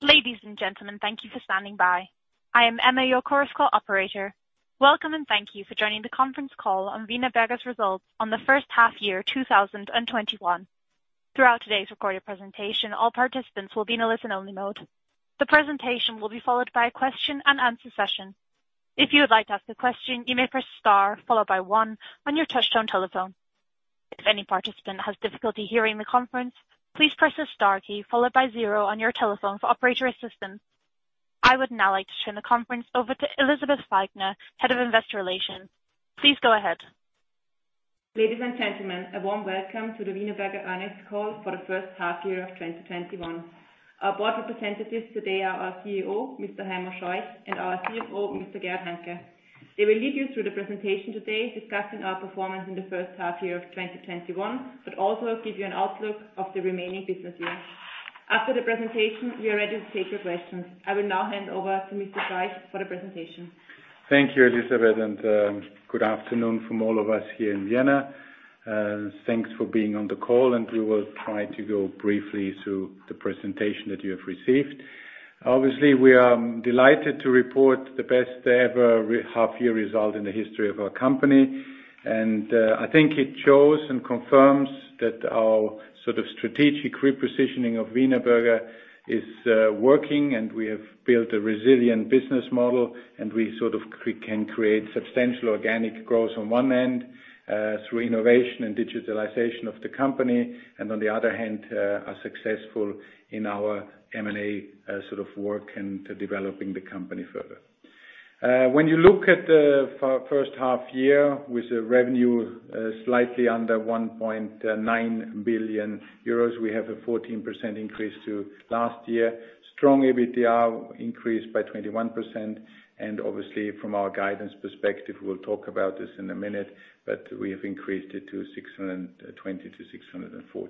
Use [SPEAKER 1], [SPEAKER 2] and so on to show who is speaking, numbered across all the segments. [SPEAKER 1] Ladies and gentlemen, thank you for standing by. I am Emma, your chorus call operator. Welcome, and thank you for joining the conference call on Wienerberger's results on the first half-year 2021. Throughout today's recorded presentation, all participants will be in a listen-only mode. The presentation will be followed by a question-and-answer session. If you would like to ask a question, you may press star, followed by one on your touchtone telephone. If any participant has difficulty hearing the conference, please press the star key followed by zero on your telephone for operator assistance. I would now like to turn the conference over to Elisabeth Falkner, Head of Investor Relations. Please go ahead.
[SPEAKER 2] Ladies and gentlemen, a warm Welcome to the Wienerberger Analyst Call for the First Half-Year of 2021. Our board representatives today are our CEO, Mr. Heimo Scheuch, and our CFO, Mr. Gerhard Hanke. They will lead you through the presentation today, discussing our performance in the first half-year of 2021, but also give you an outlook of the remaining business year. After the presentation, we are ready to take your questions. I will now hand over to Mr. Scheuch for the presentation.
[SPEAKER 3] Thank you, Elisabeth, good afternoon from all of us here in Vienna. Thanks for being on the call, we will try to go briefly through the presentation that you have received. Obviously, we are delighted to report the best ever half-year result in the history of our company. I think it shows and confirms that our strategic repositioning of Wienerberger is working, we have built a resilient business model, we can create substantial organic growth on one end through innovation and digitalization of the company, and on the other hand, are successful in our M&A work and developing the company further. When you look at the first half-year with a revenue slightly under 1.9 billion euros, we have a 14% increase to last year. Strong EBITDA increased by 21%. Obviously, from our guidance perspective, we'll talk about this in a minute, but we have increased it to 620-640.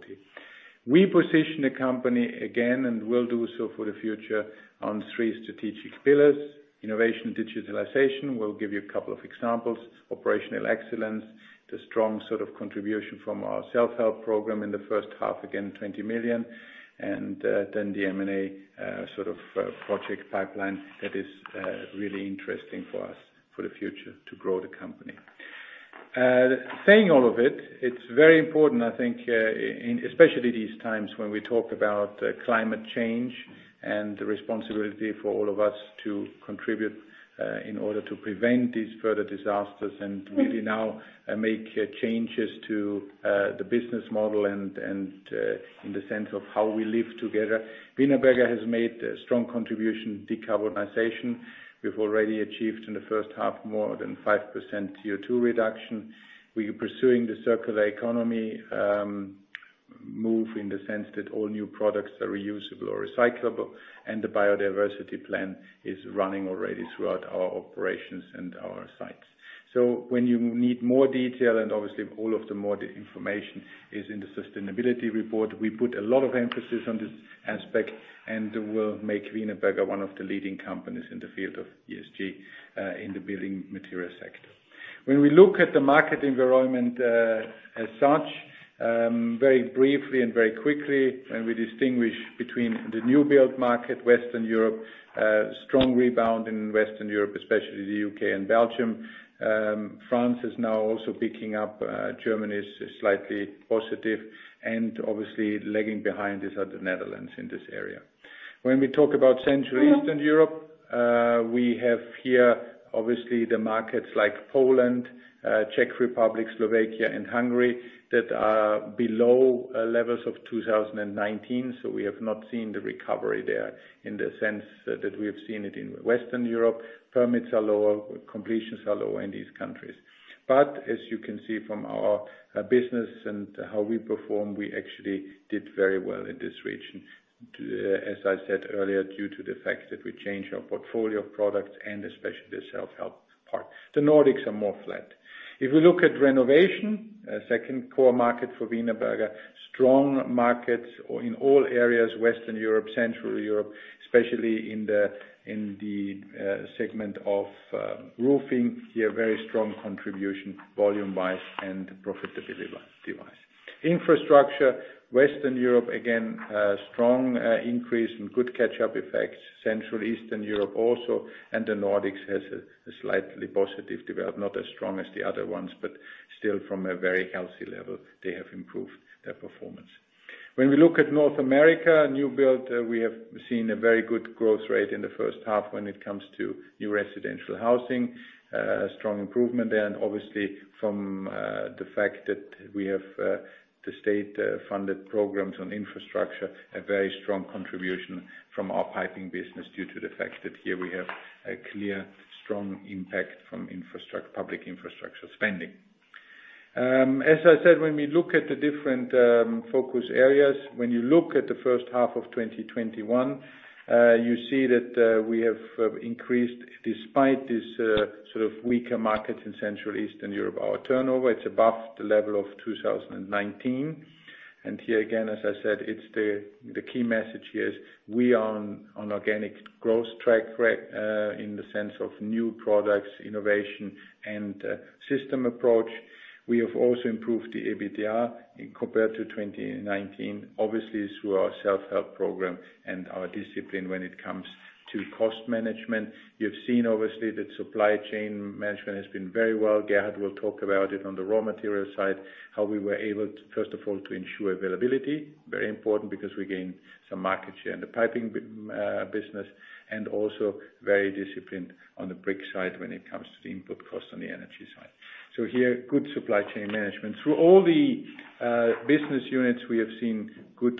[SPEAKER 3] We position the company again. Will do so for the future on three strategic pillars. Innovation and digitalization, we'll give you a couple of examples. Operational excellence, the strong contribution from our self-help program in the first half, again, 20 million. Then the M&A project pipeline that is really interesting for us for the future to grow the company. Saying all of it's very important I think, especially these times when we talk about climate change and the responsibility for all of us to contribute in order to prevent these further disasters and really now make changes to the business model and in the sense of how we live together. Wienerberger has made a strong contribution to decarbonization. We've already achieved in the first half more than 5% CO2 reduction. We are pursuing the circular economy move in the sense that all new products are reusable or recyclable, and the biodiversity plan is running already throughout our operations and our sites. When you need more detail, and obviously all of the more information is in the sustainability report. We put a lot of emphasis on this aspect, and we'll make Wienerberger one of the leading companies in the field of ESG in the building material sector. When we look at the market environment as such, very briefly and very quickly, and we distinguish between the new build market, Western Europe, strong rebound in Western Europe, especially the U.K. and Belgium. France is now also picking up. Germany is slightly positive and obviously lagging behind is the Netherlands in this area. When we talk about Central Eastern Europe, we have here obviously the markets like Poland, Czech Republic, Slovakia, and Hungary that are below levels of 2019. We have not seen the recovery there in the sense that we have seen it in Western Europe. Permits are lower, completions are lower in these countries. As you can see from our business and how we perform, we actually did very well in this region. As I said earlier, due to the fact that we changed our portfolio of products and especially the self-help part. The Nordics are more flat. If we look at renovation, a second core market for Wienerberger, strong markets in all areas, Western Europe, Central Europe, especially in the segment of roofing. Here, very strong contribution volume wise and profitability wise. Infrastructure, Western Europe, again, strong increase and good catch-up effects. Central Eastern Europe also, and the Nordics has a slightly positive development, not as strong as the other ones, but still from a very healthy level they have improved their performance. When we look at North America new build, we have seen a very good growth rate in the first half when it comes to new residential housing. A strong improvement there, and obviously from the fact that we have the state-funded programs on infrastructure, a very strong contribution from our piping business due to the fact that here we have a clear, strong impact from public infrastructure spending. As I said, when we look at the different focus areas, when you look at the first half of 2021, you see that we have increased despite this weaker market in Central Eastern Europe. Our turnover, it is above the level of 2019. Here again, as I said, the key message here is we are on organic growth track in the sense of new products, innovation, and system approach. We have also improved the EBITDA compared to 2019, obviously through our self-help program and our discipline when it comes to cost management. You have seen, obviously, that supply chain management has been very well. Gerhard will talk about it on the raw material side, how we were able, first of all, to ensure availability, very important because we gain some market share in the piping business, and also very disciplined on the brick side when it comes to the input cost on the energy side. Here, good supply chain management. Through all the business units, we have seen good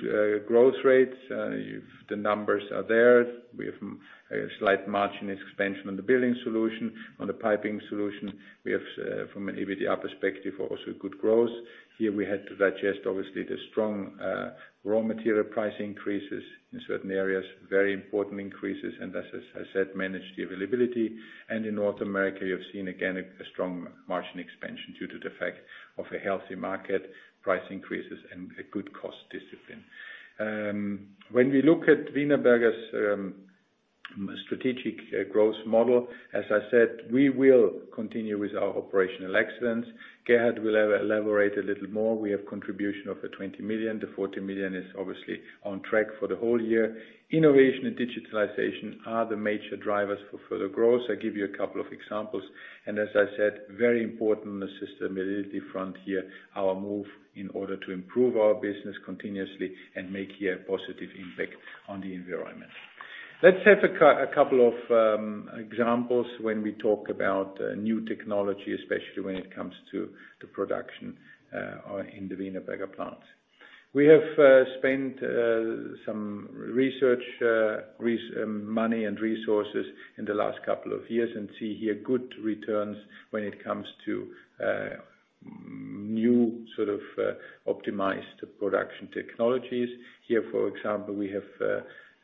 [SPEAKER 3] growth rates. The numbers are there. We have a slight margin expansion on the building solution. On the piping solution, we have, from an EBITDA perspective, also good growth. Here we had to digest, obviously, the strong raw material price increases in certain areas, very important increases. As I said, manage the availability. In North America, you have seen, again, a strong margin expansion due to the fact of a healthy market, price increases, and a good cost discipline. When we look at Wienerberger's strategic growth model, as I said, we will continue with our operational excellence. Gerhard will elaborate a little more. We have contribution of the 20 million. The 40 million is obviously on track for the whole year. Innovation and digitalization are the major drivers for further growth. I give you a couple of examples. As I said, very important on the sustainability front here, our move in order to improve our business continuously and make a positive impact on the environment. Let's have a couple of examples when we talk about new technology, especially when it comes to production in the Wienerberger plant. We have spent some research money and resources in the last couple of years and see here good returns when it comes to new optimized production technologies. Here, for example, we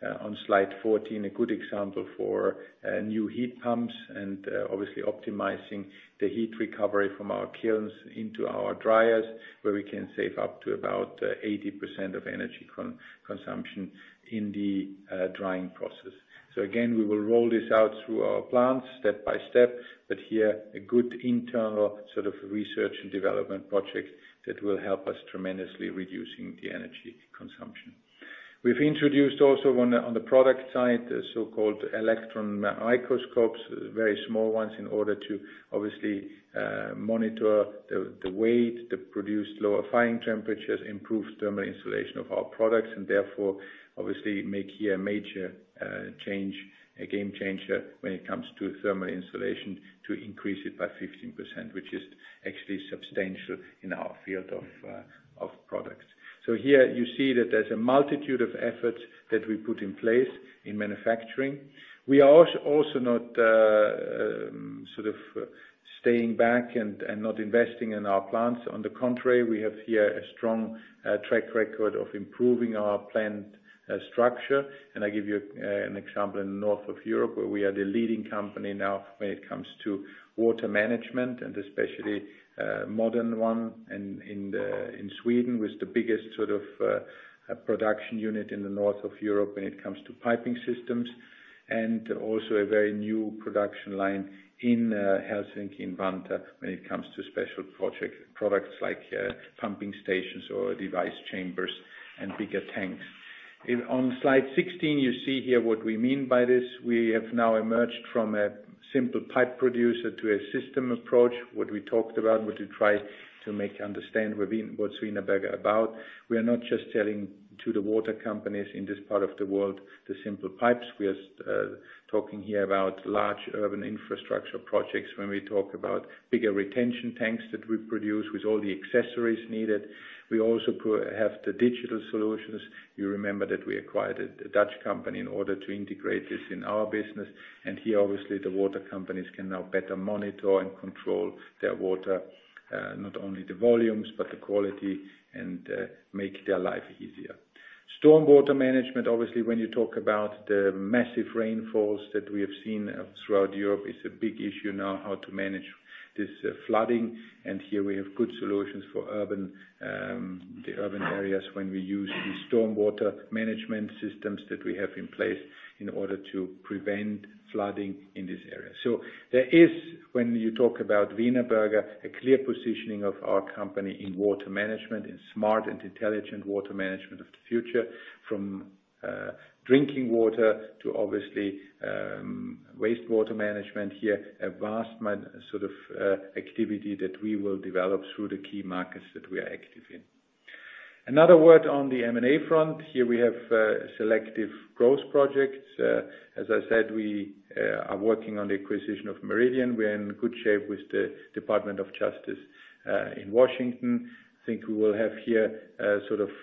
[SPEAKER 3] have, on slide 14, a good example for new heat pumps and obviously optimizing the heat recovery from our kilns into our dryers, where we can save up to about 80% of energy consumption in the drying process. Again, we will roll this out through our plants step by step, but here a good internal research and development project that will help us tremendously reducing the energy consumption. We've introduced also on the product side, the so-called electron microscopes, very small ones, in order to obviously monitor the weight, the produced lower firing temperatures, improved thermal insulation of our products, and therefore obviously make here a major change, a game changer when it comes to thermal insulation to increase it by 15%, which is actually substantial in our field of products. Here you see that there's a multitude of efforts that we put in place in manufacturing. We are also not staying back and not investing in our plants. On the contrary, we have here a strong track record of improving our plant structure. I give you an example in the north of Europe, where we are the leading company now when it comes to water management and especially modern one in Sweden, with the biggest production unit in the north of Europe when it comes to piping systems, and also a very new production line in Helsinki, in Vantaa, when it comes to special products like pumping stations or device chambers and bigger tanks. On slide 16, you see here what we mean by this. We have now emerged from a simple pipe producer to a system approach. What we talked about, what we try to make you understand what Wienerberger is about. We are not just selling to the water companies in this part of the world, the simple pipes. We are talking here about large urban infrastructure projects when we talk about bigger retention tanks that we produce with all the accessories needed. We also have the digital solutions. You remember that we acquired a Dutch company in order to integrate this in our business. Here, obviously, the water companies can now better monitor and control their water, not only the volumes, but the quality and make their life easier. Stormwater management, obviously, when you talk about the massive rainfalls that we have seen throughout Europe, it's a big issue now how to manage this flooding. Here we have good solutions for the urban areas when we use the stormwater management systems that we have in place in order to prevent flooding in this area. There is, when you talk about Wienerberger, a clear positioning of our company in water management, in smart and intelligent water management of the future, from drinking water to obviously wastewater management here, a vast activity that we will develop through the key markets that we are active in. Another word on the M&A front. Here we have selective growth projects. As I said, we are working on the acquisition of Meridian. We are in good shape with the Department of Justice in Washington. I think we will have here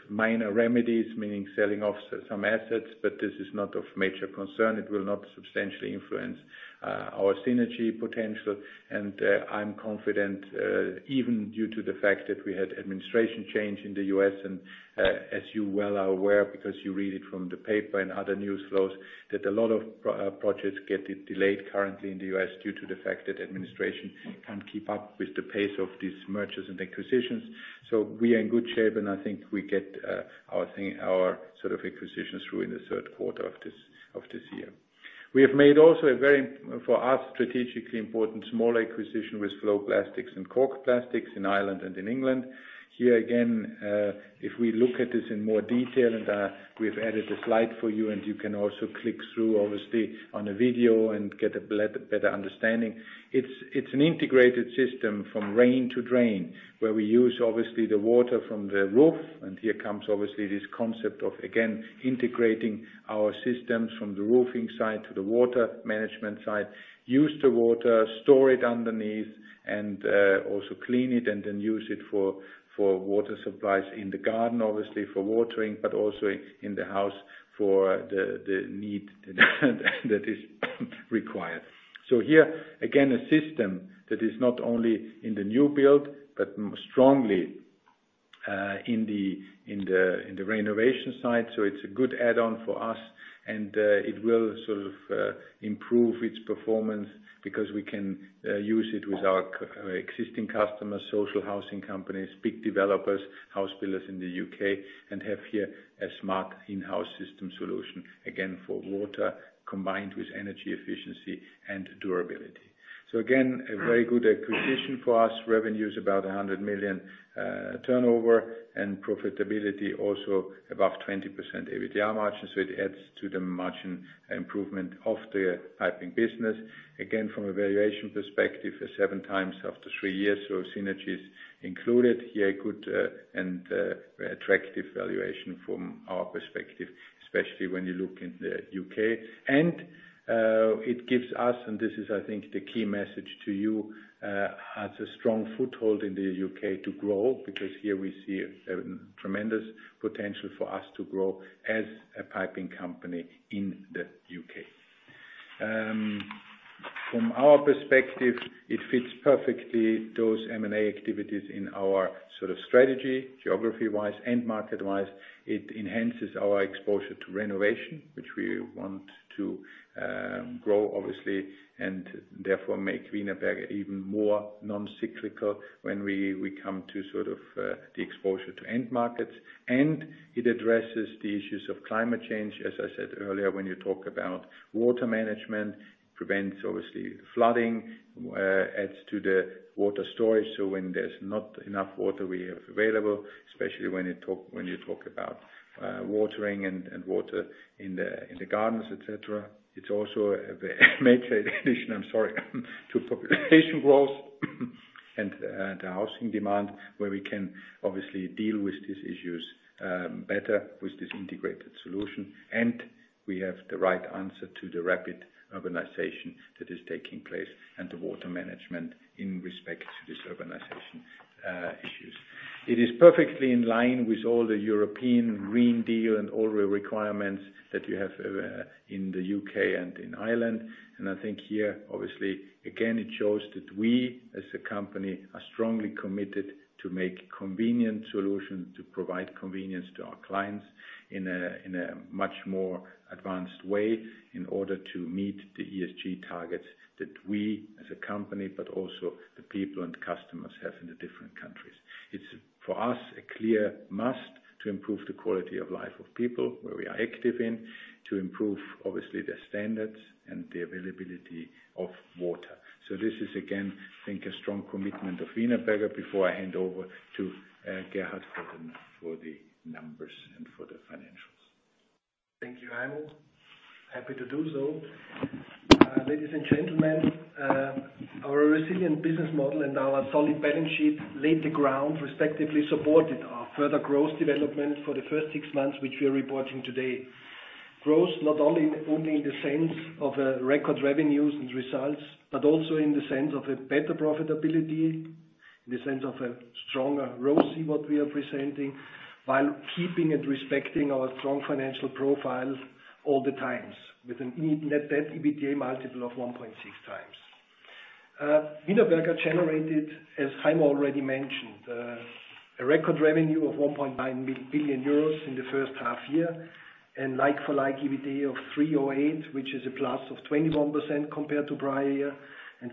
[SPEAKER 3] minor remedies, meaning selling off some assets, this is not of major concern. It will not substantially influence our synergy potential. I'm confident, even due to the fact that we had administration change in the U.S., and as you well are aware because you read it from the paper and other news flows, that a lot of projects get delayed currently in the U.S. due to the fact that administration can't keep up with the pace of these mergers and acquisitions. We are in good shape, and I think we get our acquisitions through in the third quarter of this year. We have made also a very, for us, strategically important small acquisition with FloPlast and Cork Plastics in Ireland and in England. Here again, if we look at this in more detail, and we have added a slide for you, and you can also click through obviously on a video and get a better understanding. It's an integrated system from rain to drain, where we use obviously the water from the roof. Here comes obviously this concept of, again, integrating our systems from the roofing side to the water management side. Use the water, store it underneath, also clean it, then use it for water supplies in the garden, obviously for watering, but also in the house for the need that is required. Here, again, a system that is not only in the new build, but strongly in the renovation side. It's a good add-on for us, it will sort of improve its performance because we can use it with our existing customers, social housing companies, big developers, house builders in the U.K., have here a smart in-house system solution, again, for water combined with energy efficiency and durability. Again, a very good acquisition for us. Revenue is about 100 million turnover and profitability also above 20% EBITDA margin. It adds to the margin improvement of the piping business. From a valuation perspective, 7x after three years. Synergies included here good and attractive valuation from our perspective, especially when you look in the U.K. It gives us, and this is, I think, the key message to you, has a strong foothold in the U.K. to grow because here we see a tremendous potential for us to grow as a piping company in the U.K. From our perspective, it fits perfectly those M&A activities in our sort of strategy, geography-wise and market-wise. It enhances our exposure to renovation, which we want to grow obviously, and therefore make Wienerberger even more non-cyclical when we come to sort of the exposure to end markets. It addresses the issues of climate change. As I said earlier, when you talk about water management, prevents obviously flooding, adds to the water storage. When there's not enough water we have available, especially when you talk about watering and water in the gardens, et cetera. It's also a very major addition, I'm sorry, to population growth and the housing demand, where we can obviously deal with these issues better with this integrated solution. We have the right answer to the rapid urbanization that is taking place and the water management in respect to this urbanization issues. It is perfectly in line with all the European Green Deal and all the requirements that you have in the U.K. and in Ireland. I think here, obviously, again, it shows that we as a company are strongly committed to make convenient solutions, to provide convenience to our clients in a much more advanced way in order to meet the ESG targets that we as a company, but also the people and customers have in the different countries. It's, for us, a clear must to improve the quality of life of people where we are active in, to improve obviously their standards and the availability of water. This is, again, I think, a strong commitment of Wienerberger. Before I hand over to Gerhard for the numbers and for the financials.
[SPEAKER 4] Thank you, Heimo. Happy to do so. Ladies and gentlemen, our resilient business model and our solid balance sheet laid the ground respectively, supported our further growth development for the first six months, which we are reporting today. Growth, not only in the sense of record revenues and results, but also in the sense of a better profitability, in the sense of a stronger ROCE, what we are presenting, while keeping and respecting our strong financial profiles all the times with a Net Debt/EBITDA multiple of 1.6x. Wienerberger generated, as Heimo already mentioned, a record revenue of 1.9 billion euros in the first half-year and like-for-like EBITDA of 308 million, which is a +21% compared to prior year.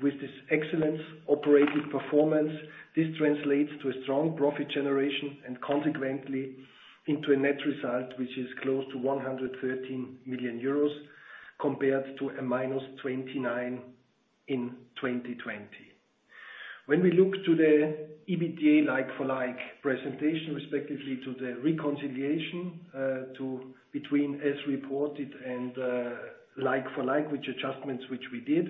[SPEAKER 4] With this excellent operating performance, this translates to a strong profit generation and consequently into a net result which is close to 113 million euros compared to a -29 in 2020. When we look to the EBITDA like-for-like presentation respectively to the reconciliation between as reported and like-for-like, which adjustments which we did.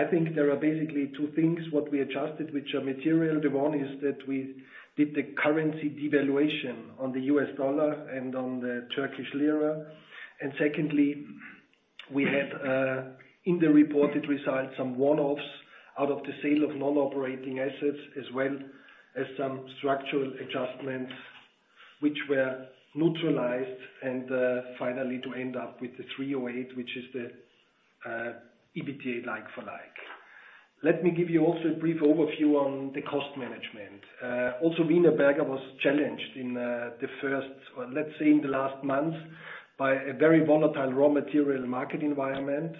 [SPEAKER 4] I think there are basically two things what we adjusted, which are material. The one is that we did the currency devaluation on the US dollar and on the Turkish lira. Secondly, we had, in the reported results, some one-offs out of the sale of non-operating assets, as well as some structural adjustments which were neutralized and finally to end up with the 308, which is the EBITDA like-for-like. Let me give you also a brief overview on the cost management. Wienerberger was challenged in the last month, by a very volatile raw material market environment.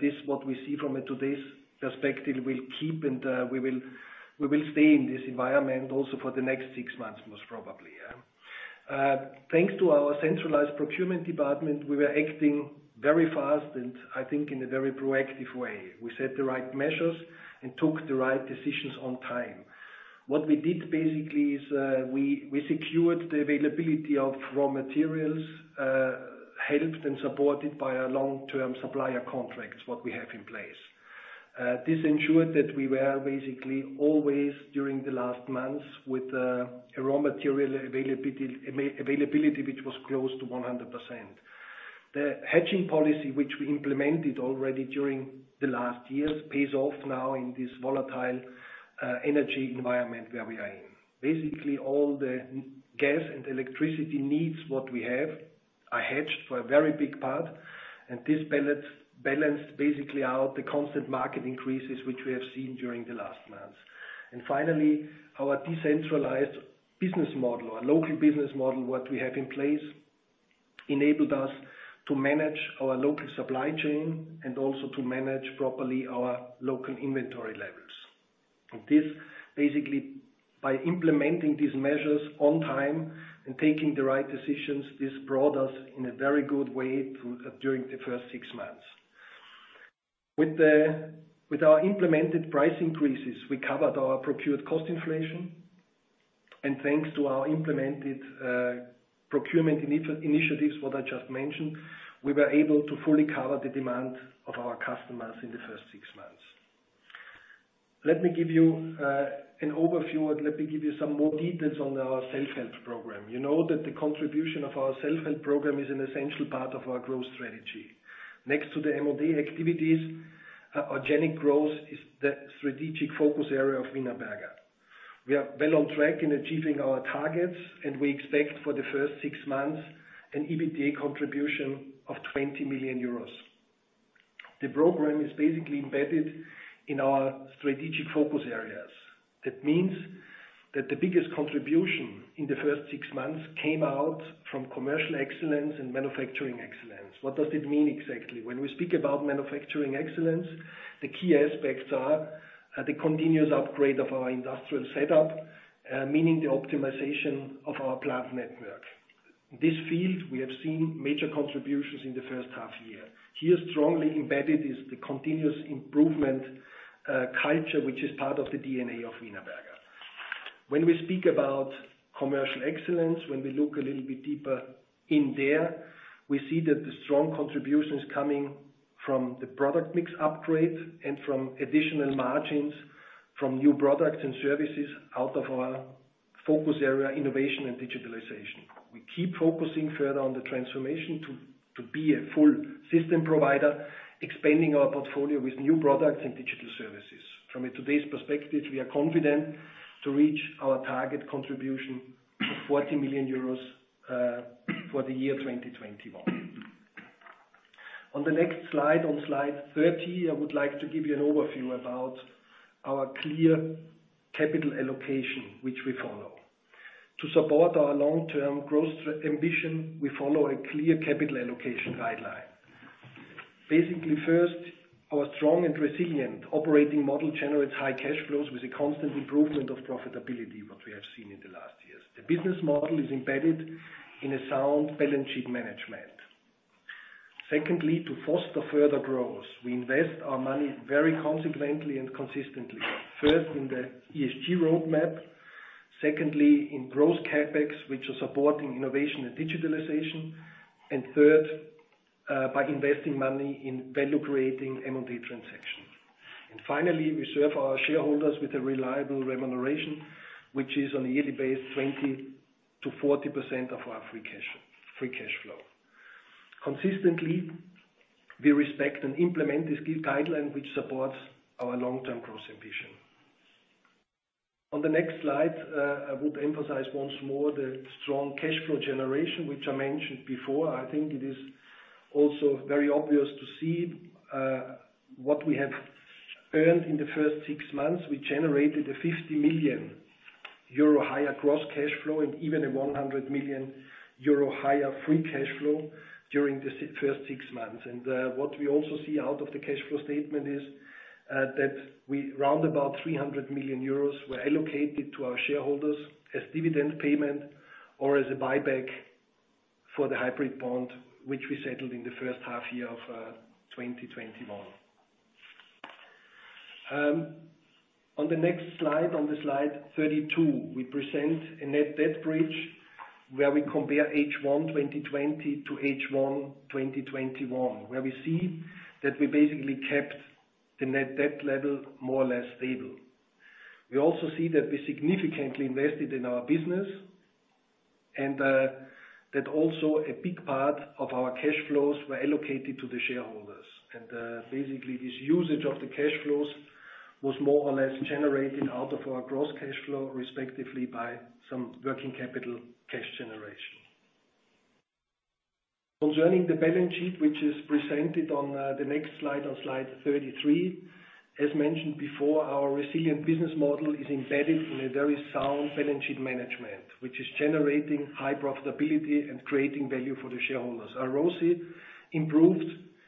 [SPEAKER 4] This is what we see from today's perspective will keep and we will stay in this environment also for the next six months, most probably. Thanks to our centralized procurement department, we were acting very fast, and I think in a very proactive way. We set the right measures and took the right decisions on time. What we did basically is we secured the availability of raw materials, helped and supported by our long-term supplier contracts, what we have in place. This ensured that we were basically always, during the last months, with a raw material availability which was close to 100%. The hedging policy, which we implemented already during the last years, pays off now in this volatile energy environment where we are in. All the gas and electricity needs that we have are hedged for a very big part, this balanced basically out the constant market increases which we have seen during the last months. Finally, our decentralized business model, our local business model, what we have in place, enabled us to manage our local supply chain and also to manage properly our local inventory levels. Basically, by implementing these measures on time and taking the right decisions, this brought us in a very good way during the first six months. With our implemented price increases, we covered our procured cost inflation, thanks to our implemented procurement initiatives, what I just mentioned, we were able to fully cover the demand of our customers in the first six months. Let me give you an overview and let me give you some more details on our self-help program. You know that the contribution of our self-help program is an essential part of our growth strategy. Next to the M&A activities, our organic growth is the strategic focus area of Wienerberger. We are well on track in achieving our targets, and we expect for the first six months an EBITDA contribution of 20 million euros. The program is basically embedded in our strategic focus areas. That means that the biggest contribution in the first six months came out from commercial excellence and manufacturing excellence. What does it mean exactly? When we speak about manufacturing excellence, the key aspects are the continuous upgrade of our industrial setup, meaning the optimization of our plant network. In this field, we have seen major contributions in the first half-year. Here, strongly embedded is the continuous improvement culture, which is part of the DNA of Wienerberger. When we speak about commercial excellence, when we look a little bit deeper in there, we see that the strong contribution is coming from the product mix upgrade and from additional margins from new products and services out of our focus area, innovation and digitalization. We keep focusing further on the transformation to be a full system provider, expanding our portfolio with new products and digital services. From today's perspective, we are confident to reach our target contribution of 40 million euros for the year 2021. On the next slide, on slide 30, I would like to give you an overview about our clear capital allocation, which we follow. To support our long-term growth ambition, we follow a clear capital allocation guideline. 1st, our strong and resilient operating model generates high cash flows with a constant improvement of profitability, what we have seen in the last years. The business model is embedded in a sound balance sheet management. To foster further growth, we invest our money very consequently and consistently. In the ESG roadmap. In growth CapEx, which is supporting innovation and digitalization. 3rd, by investing money in value-creating M&A transactions. Finally, we serve our shareholders with a reliable remuneration, which is on a yearly basis, 20%-40% of our free cash flow. Consistently, we respect and implement this clear guideline, which supports our long-term growth ambition. On the next slide, I would emphasize once more the strong cash flow generation, which I mentioned before. I think it is also very obvious to see what we have earned in the first six months. We generated a 50 million euro higher gross cash flow and even a 100 million euro higher free cash flow during the first six months. What we also see out of the cash flow statement is that around about 300 million euros were allocated to our shareholders as dividend payment or as a buyback for the hybrid bond, which we settled in first half year of 2021. On the next slide, on the slide 32, we present a net debt bridge where we compare H1 2020 to H1 2021, where we see that we basically kept the net debt level more or less stable. We also see that we significantly invested in our business and that also a big part of our cash flows were allocated to the shareholders. Basically, this usage of the cash flows was more or less generated out of our gross cash flow, respectively, by some working capital cash generation. Concerning the balance sheet, which is presented on the next slide, on slide 33, as mentioned before, our resilient business model is embedded in a very sound balance sheet management, which is generating high profitability and creating value for the shareholders. Our ROCE improved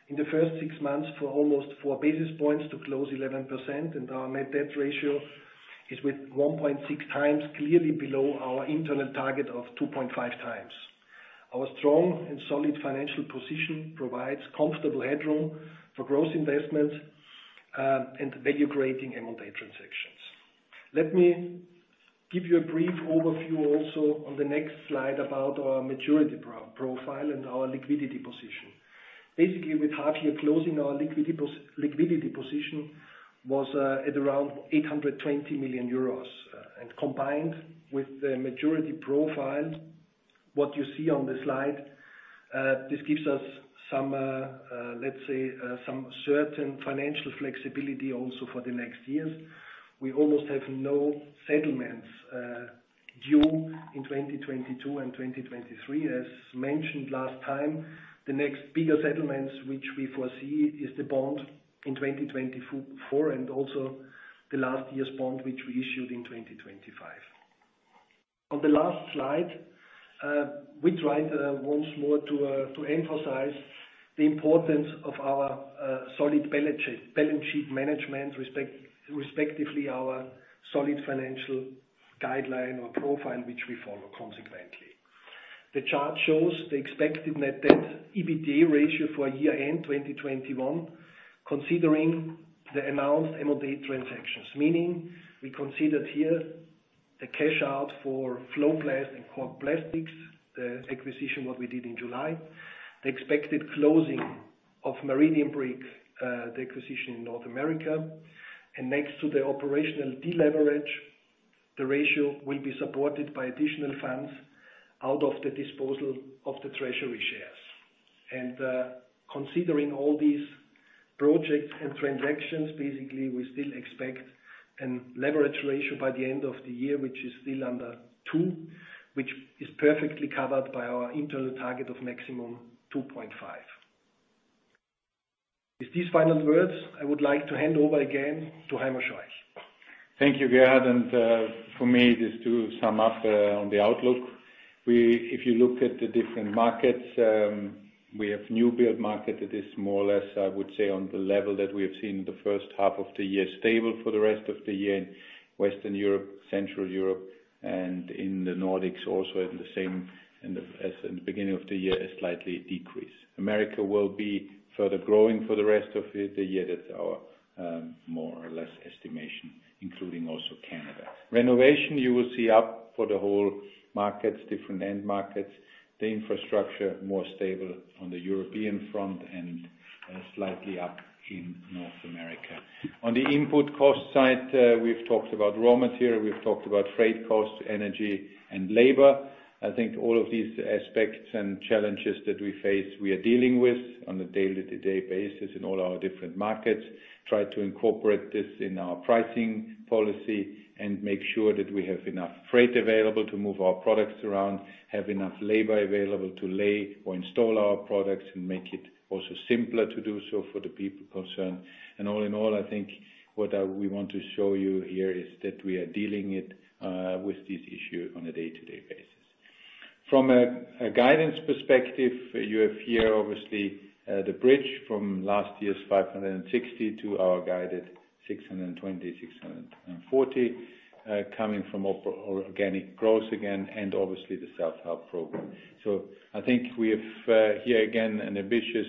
[SPEAKER 4] in the first six months for almost 4 basis points to close 11%, our net debt ratio is with 1.6x clearly below our internal target of 2.5x. Our strong and solid financial position provides comfortable headroom for growth investments and value-creating M&A transactions. Let me give you a brief overview also on the next slide about our maturity profile and our liquidity position. Basically, with half-year closing, our liquidity position was at around 820 million euros. Combined with the maturity profile, what you see on the slide, this gives us some certain financial flexibility also for the next years. We almost have no settlements due in 2022 and 2023. As mentioned last time, the next bigger settlements, which we foresee is the bond in 2024 and also the last year's bond, which we issued in 2025. On the last slide, we tried once more to emphasize the importance of our solid balance sheet management, respectively our solid financial guideline or profile, which we follow consequently. The chart shows the expected Net Debt/EBITDA ratio for year-end 2021, considering the announced M&A transactions, meaning we considered here the cash out for FloPlast and Cork Plastics, the acquisition what we did in July. The expected closing of Meridian Brick, the acquisition in North America, and next to the operational deleverage, the ratio will be supported by additional funds out of the disposal of the treasury shares. Considering all these projects and transactions, basically, we still expect a leverage ratio by the end of the year, which is still under two, which is perfectly covered by our internal target of maximum 2.5. With these final words, I would like to hand over again to Heimo Scheuch.
[SPEAKER 3] Thank you, Gerhard. For me, it is to sum up on the outlook. If you look at the different markets, we have new build market that is more or less, I would say, on the level that we have seen in the first half of the year, stable for the rest of the year in Western Europe, Central Europe, and in the Nordics also in the same as in the beginning of the year, a slight decrease. America will be further growing for the rest of the year. That's our more or less estimation, including also Canada. Renovation, you will see up for the whole markets, different end markets. The infrastructure more stable on the European front and slightly up in North America. On the input cost side, we've talked about raw material, we've talked about freight costs, energy, and labor. I think all of these aspects and challenges that we face, we are dealing with on a day-to-day basis in all our different markets. Try to incorporate this in our pricing policy and make sure that we have enough freight available to move our products around, have enough labor available to lay or install our products, and make it also simpler to do so for the people concerned. All in all, I think what we want to show you here is that we are dealing with this issue on a day-to-day basis. From a guidance perspective, you have here, obviously, the bridge from last year's 560 to our guided 620-640, coming from organic growth again and obviously the self-help program. I think we have here again, an ambitious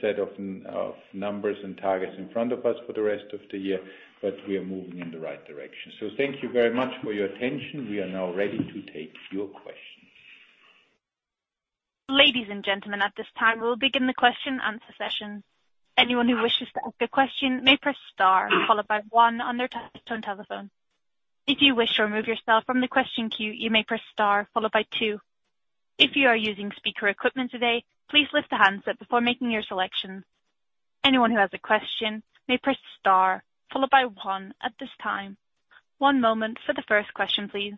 [SPEAKER 3] set of numbers and targets in front of us for the rest of the year, but we are moving in the right direction. Thank you very much for your attention. We are now ready to take your questions.
[SPEAKER 1] Ladies and gentlemen, at this time, we'll begin the question and answer session. One moment for the first question, please.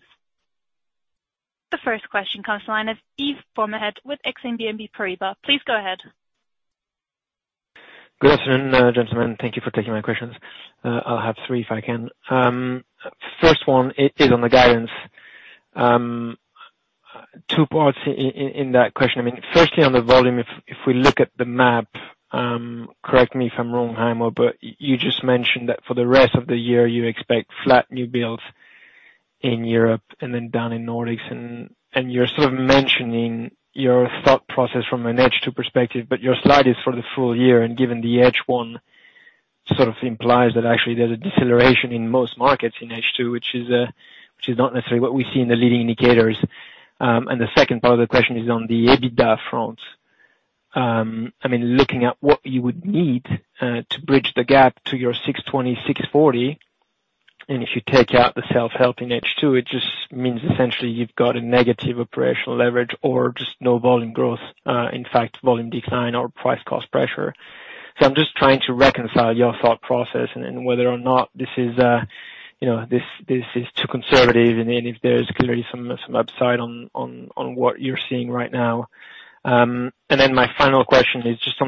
[SPEAKER 1] The first question comes to line as Yves Bommelaer with Exane BNP Paribas. Please go ahead.
[SPEAKER 5] Good afternoon, gentlemen. Thank you for taking my questions. I'll have three if I can. First one is on the guidance. Two parts in that question. Firstly on the volume, if we look at the map, correct me if I'm wrong, Heimo, but you just mentioned that for the rest of the year, you expect flat new builds in Europe and then down in Nordics. You're sort of mentioning your thought process from an H2 perspective, but your slide is for the full year, and given the H1 sort of implies that actually there's a deceleration in most markets in H2, which is not necessarily what we see in the leading indicators. The second part of the question is on the EBITDA front. Looking at what you would need to bridge the gap to your 620, 640, and if you take out the self-help in H2, it just means essentially you've got a negative operational leverage or just no volume growth, in fact, volume decline or price cost pressure. I'm just trying to reconcile your thought process and whether or not this is too conservative and if there's clearly some upside on what you're seeing right now. My final question is just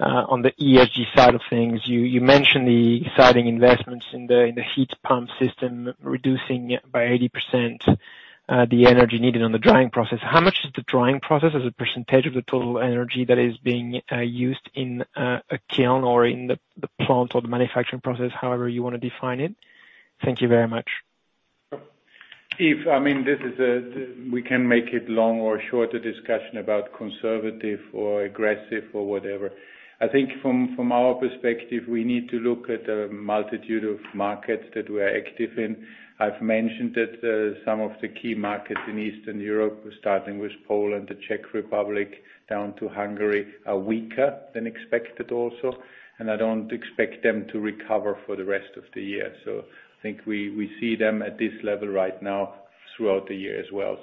[SPEAKER 5] on the ESG side of things. You mentioned the exciting investments in the heat pump system reducing by 80% the energy needed on the drying process. How much is the drying process as a percentage of the total energy that is being used in a kiln or in the plant or the manufacturing process, however you want to define it? Thank you very much.
[SPEAKER 3] Yves, we can make it long or short, a discussion about conservative or aggressive or whatever. I think from our perspective, we need to look at a multitude of markets that we are active in. I've mentioned that some of the key markets in Eastern Europe, starting with Poland, the Czech Republic, down to Hungary, are weaker than expected also. I don't expect them to recover for the rest of the year. I think we see them at this level right now throughout the year as well.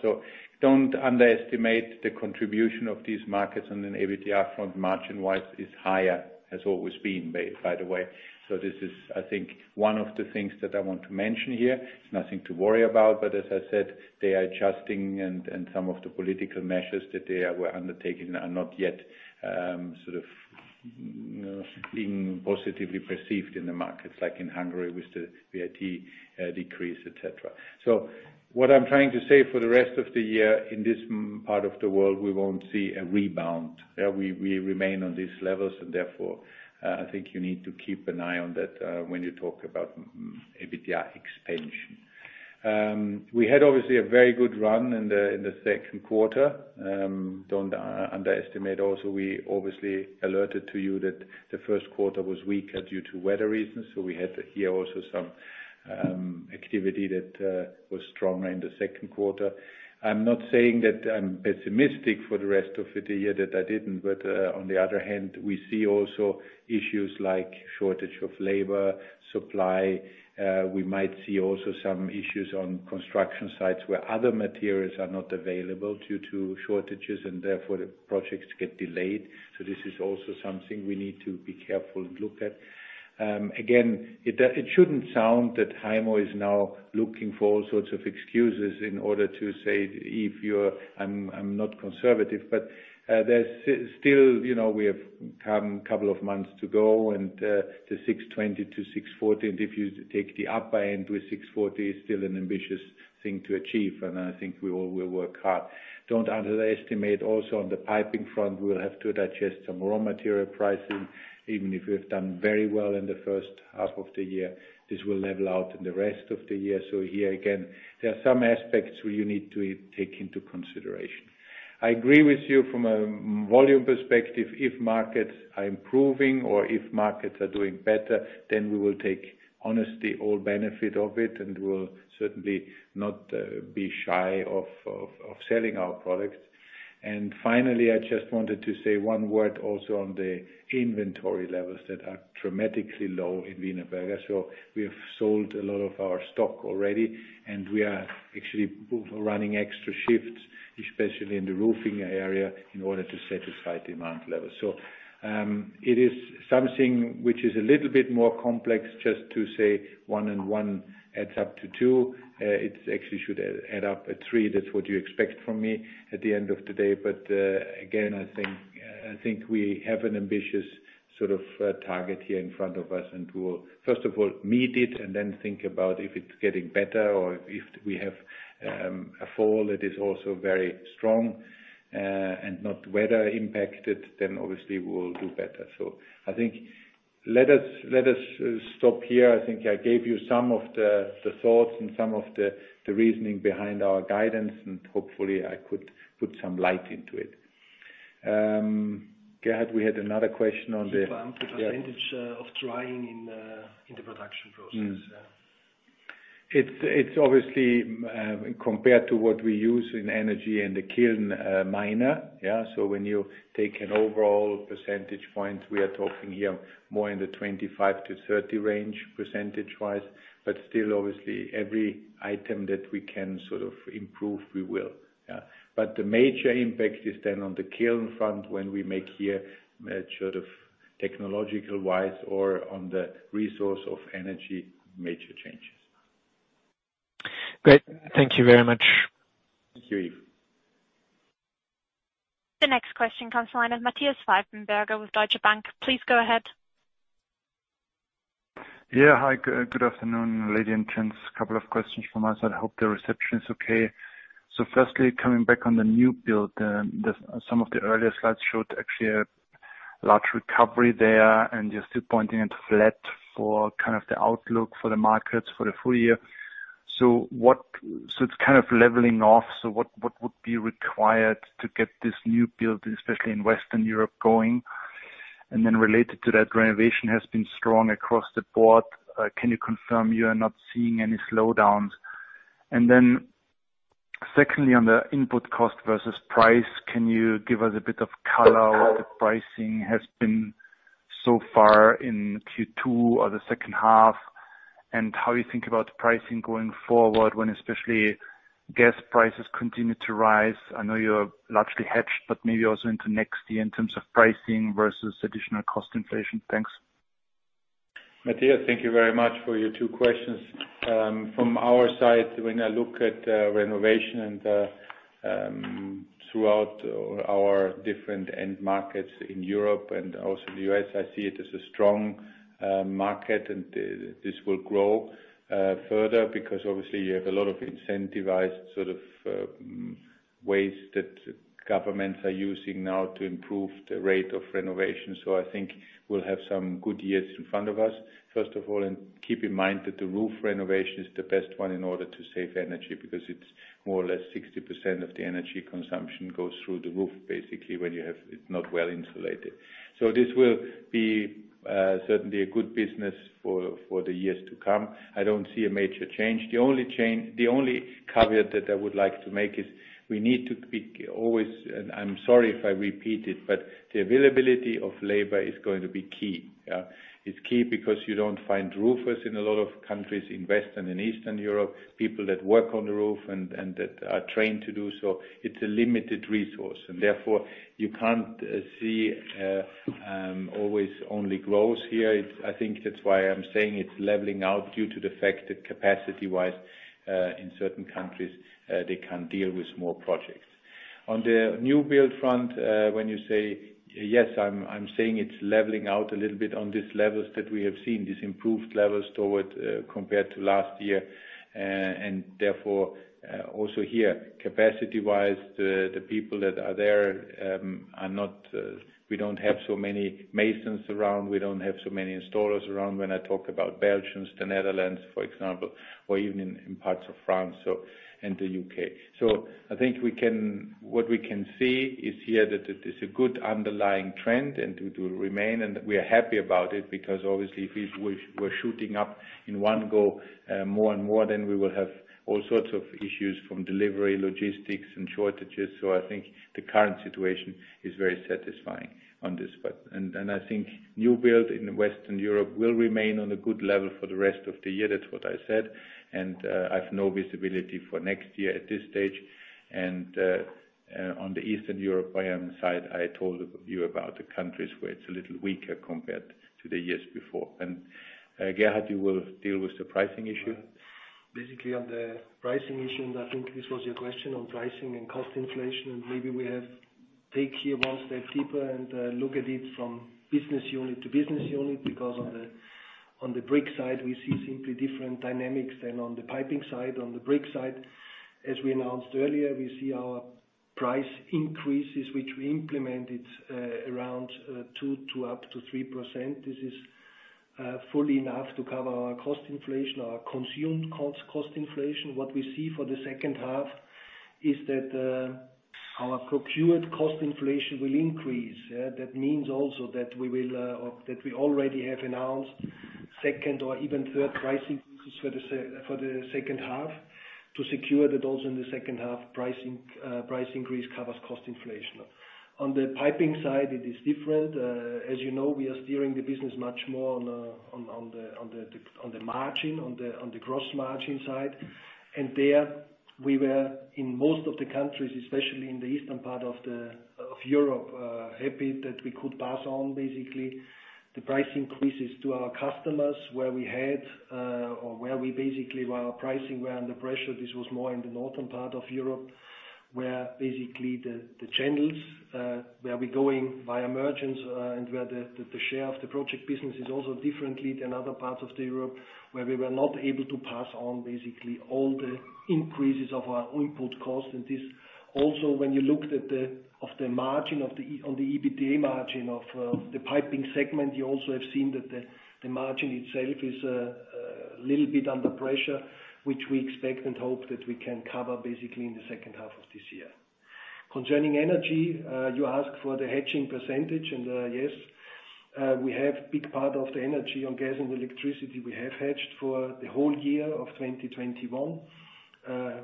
[SPEAKER 3] Don't underestimate the contribution of these markets on an EBITDA front, margin-wise is higher, has always been, by the way. This is, I think, one of the things that I want to mention here. It's nothing to worry about, but as I said, they are adjusting and some of the political measures that they were undertaking are not yet sort of being positively perceived in the markets, like in Hungary with the VAT decrease, et cetera. What I'm trying to say for the rest of the year, in this part of the world, we won't see a rebound. We remain on these levels and therefore, I think you need to keep an eye on that when you talk about EBITDA expansion. We had obviously a very good run in the second quarter. Don't underestimate also, we obviously alerted to you that the first quarter was weaker due to weather reasons. We had here also some activity that was stronger in the second quarter. I'm not saying that I'm pessimistic for the rest of it here that I didn't. On the other hand, we see also issues like shortage of labor, supply. We might see also some issues on construction sites where other materials are not available due to shortages and therefore the projects get delayed. This is also something we need to be careful and look at. It shouldn't sound that Heimo is now looking for all sorts of excuses in order to say, "Yves, I'm not conservative," We have couple of months to go and the 620-640, and if you take the upper end with 640, is still an ambitious thing to achieve. I think we all will work hard. Don't underestimate also on the piping front, we'll have to digest some raw material pricing. Even if we have done very well in the first half of the year, this will level out in the rest of the year. Here again, there are some aspects where you need to take into consideration. I agree with you from a volume perspective, if markets are improving or if markets are doing better, then we will take honestly all benefit of it and will certainly not be shy of selling our products. Finally, I just wanted to say one word also on the inventory levels that are dramatically low in Wienerberger. We have sold a lot of our stock already, and we are actually running extra shifts, especially in the roofing area in order to satisfy demand levels. It is something which is a little bit more complex, just to say one and one adds up to two. It actually should add up at three. That's what you expect from me at the end of the day. Again, I think we have an ambitious sort of target here in front of us and we'll first of all meet it and then think about if it's getting better or if we have a fall that is also very strong and not weather-impacted, obviously we'll do better. I think, let us stop here. I think I gave you some of the thoughts and some of the reasoning behind our guidance and hopefully I could put some light into it. Gerhard, we had another question on the.
[SPEAKER 5] The percentage of drying in the production process.
[SPEAKER 3] It's obviously, compared to what we use in energy and the kiln, minor. When you take an overall percentage point, we are talking here more in the 25%-30% range percentage-wise. Still obviously every item that we can sort of improve, we will. The major impact is then on the kiln front when we make here sort of technological-wise or on the resource of energy, major changes.
[SPEAKER 5] Great. Thank you very much.
[SPEAKER 3] Thank you, Yves.
[SPEAKER 1] The next question comes from Matthias Pfeifenberger with Deutsche Bank. Please go ahead.
[SPEAKER 6] Yeah. Hi, good afternoon, lady and gents. Couple of questions from my side. Hope the reception is okay. Firstly, coming back on the new build. Some of the earlier slides showed actually a large recovery there and you're still pointing it flat for kind of the outlook for the markets for the full year. It's kind of leveling off, so what would be required to get this new build, especially in Western Europe, going? Related to that, renovation has been strong across the board. Can you confirm you are not seeing any slowdowns? Secondly, on the input cost versus price, can you give us a bit of color what the pricing has been so far in Q2 or the second half, and how you think about the pricing going forward when especially gas prices continue to rise? I know you're largely hedged, maybe also into next year in terms of pricing versus additional cost inflation. Thanks.
[SPEAKER 3] Matthias, thank you very much for your two questions. From our side, when I look at renovation and throughout our different end markets in Europe and also the U.S., I see it as a strong market and this will grow further because obviously you have a lot of incentivized sort of ways that governments are using now to improve the rate of renovation. I think we'll have some good years in front of us. First of all, keep in mind that the roof renovation is the best one in order to save energy, because it's more or less 60% of the energy consumption goes through the roof, basically, when it's not well insulated. This will be certainly a good business for the years to come. I don't see a major change. The only caveat that I would like to make is we need to be always, and I'm sorry if I repeat it, but the availability of labor is going to be key. It's key because you don't find roofers in a lot of countries in Western and Eastern Europe, people that work on the roof and that are trained to do so. It's a limited resource, and therefore you can't see always only growth here. I think that's why I'm saying it's leveling out due to the fact that capacity-wise, in certain countries, they can't deal with more projects. On the new build front, when you say, yes, I'm saying it's leveling out a little bit on these levels that we have seen, these improved levels compared to last year. Therefore, also here, capacity-wise, the people that are there, we don't have so many masons around. We don't have so many installers around when I talk about Belgium, the Netherlands, for example, or even in parts of France and the U.K. I think what we can see is here that it is a good underlying trend and it will remain and we are happy about it because obviously if we're shooting up in one go more and more, then we will have all sorts of issues from delivery, logistics, and shortages. I think the current situation is very satisfying on this part. I think new build in Western Europe will remain on a good level for the rest of the year. That's what I said. I have no visibility for next year at this stage. On the Eastern Europe side, I told you about the countries where it's a little weaker compared to the years before. Gerhard, you will deal with the pricing issue.
[SPEAKER 4] Basically on the pricing issue, I think this was your question on pricing and cost inflation, maybe we have take here one step deeper and look at it from business unit to business unit, because on the brick side, we see simply different dynamics than on the piping side. On the brick side, as we announced earlier, we see our price increases, which we implemented around 2% to up to 3%. This is fully enough to cover our cost inflation, our consumed cost inflation. What we see for the second half is that our procured cost inflation will increase. That means also that we already have announced second or even third pricing for the second half to secure that also in the second half, price increase covers cost inflation. On the piping side, it is different. As you know, we are steering the business much more on the margin, on the gross margin side. There we were in most of the countries, especially in the eastern part of Europe, happy that we could pass on basically the price increases to our customers where our pricing were under pressure. This was more in the northern part of Europe, where basically the channels, where we're going via merchants and where the share of the project business is also differently than other parts of Europe where we were not able to pass on basically all the increases of our input costs. This also, when you looked at the margin, on the EBITDA margin of the piping segment, you also have seen that the margin itself is a little bit under pressure, which we expect and hope that we can cover basically in the second half of this year. Concerning energy, you ask for the hedging percentage, yes, we have big part of the energy on gas and electricity we have hedged for the whole year of 2021.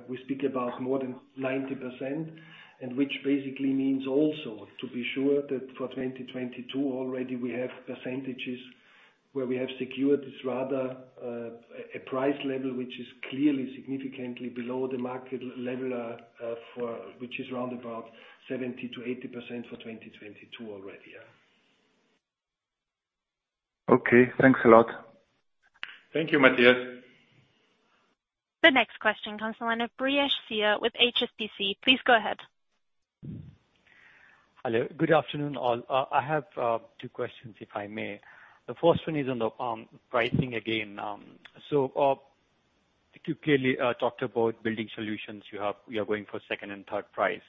[SPEAKER 4] We speak about more than 90%, which basically means also to be sure that for 2022 already we have percentages where we have secured this rather a price level which is clearly significantly below the market level, which is around about 70%-80% for 2022 already, yeah.
[SPEAKER 6] Okay. Thanks a lot.
[SPEAKER 4] Thank you, Matthias.
[SPEAKER 1] The next question comes on the line of Brijesh Siya with HSBC. Please go ahead.
[SPEAKER 7] Hello. Good afternoon all. I have two questions, if I may. The first one is on the pricing again. You clearly talked about building solutions. You are going for second and third price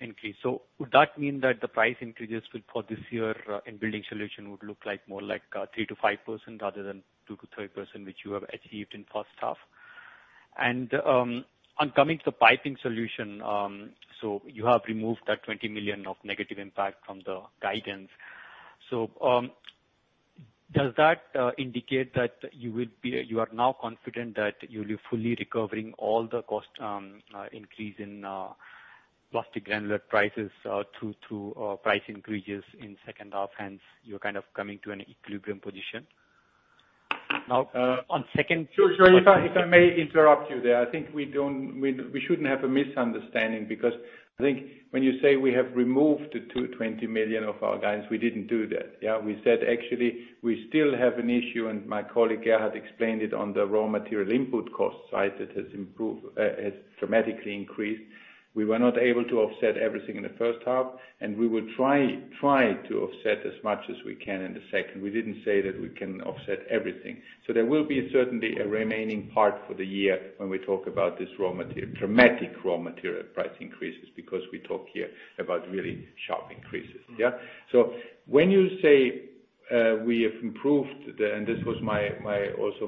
[SPEAKER 7] increase. Would that mean that the price increases for this year in building solution would look like more like 3%-5% rather than 2%-3%, which you have achieved in first half? Coming to piping solution, you have removed that 20 million of negative impact from the guidance. Does that indicate that you are now confident that you'll be fully recovering all the cost increase in plastic granular prices through price increases in second half, hence you're kind of coming to an equilibrium position?
[SPEAKER 3] If I may interrupt you there. I think we shouldn't have a misunderstanding, because I think when you say we have removed the 20 million of our guidance, we didn't do that. Yeah. We said, actually, we still have an issue, and my colleague, Gerhard, explained it on the raw material input cost side, that has dramatically increased. We were not able to offset everything in the first half, and we will try to offset as much as we can in the second. We didn't say that we can offset everything. There will be certainly a remaining part for the year when we talk about this dramatic raw material price increases, because we talk here about really sharp increases. Yeah. When you say, we have improved, and this was also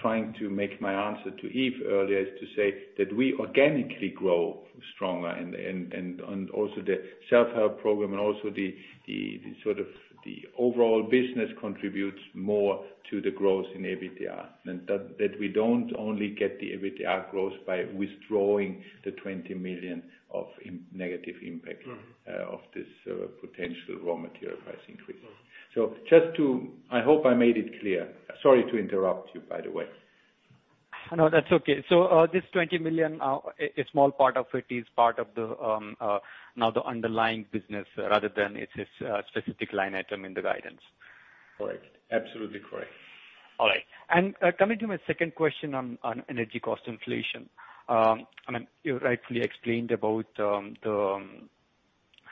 [SPEAKER 3] trying to make my answer to Yves earlier, is to say that we organically grow stronger, and also the self-help program and also the overall business contributes more to the growth in EBITDA. That we don't only get the EBITDA growth by withdrawing the 20 million of negative impact of this potential raw material price increase. I hope I made it clear. Sorry to interrupt you, by the way.
[SPEAKER 7] No, that's okay. This 20 million, a small part of it is part of the underlying business rather than it is a specific line item in the guidance.
[SPEAKER 3] Correct. Absolutely correct.
[SPEAKER 7] Coming to my second question on energy cost inflation. You rightfully explained about the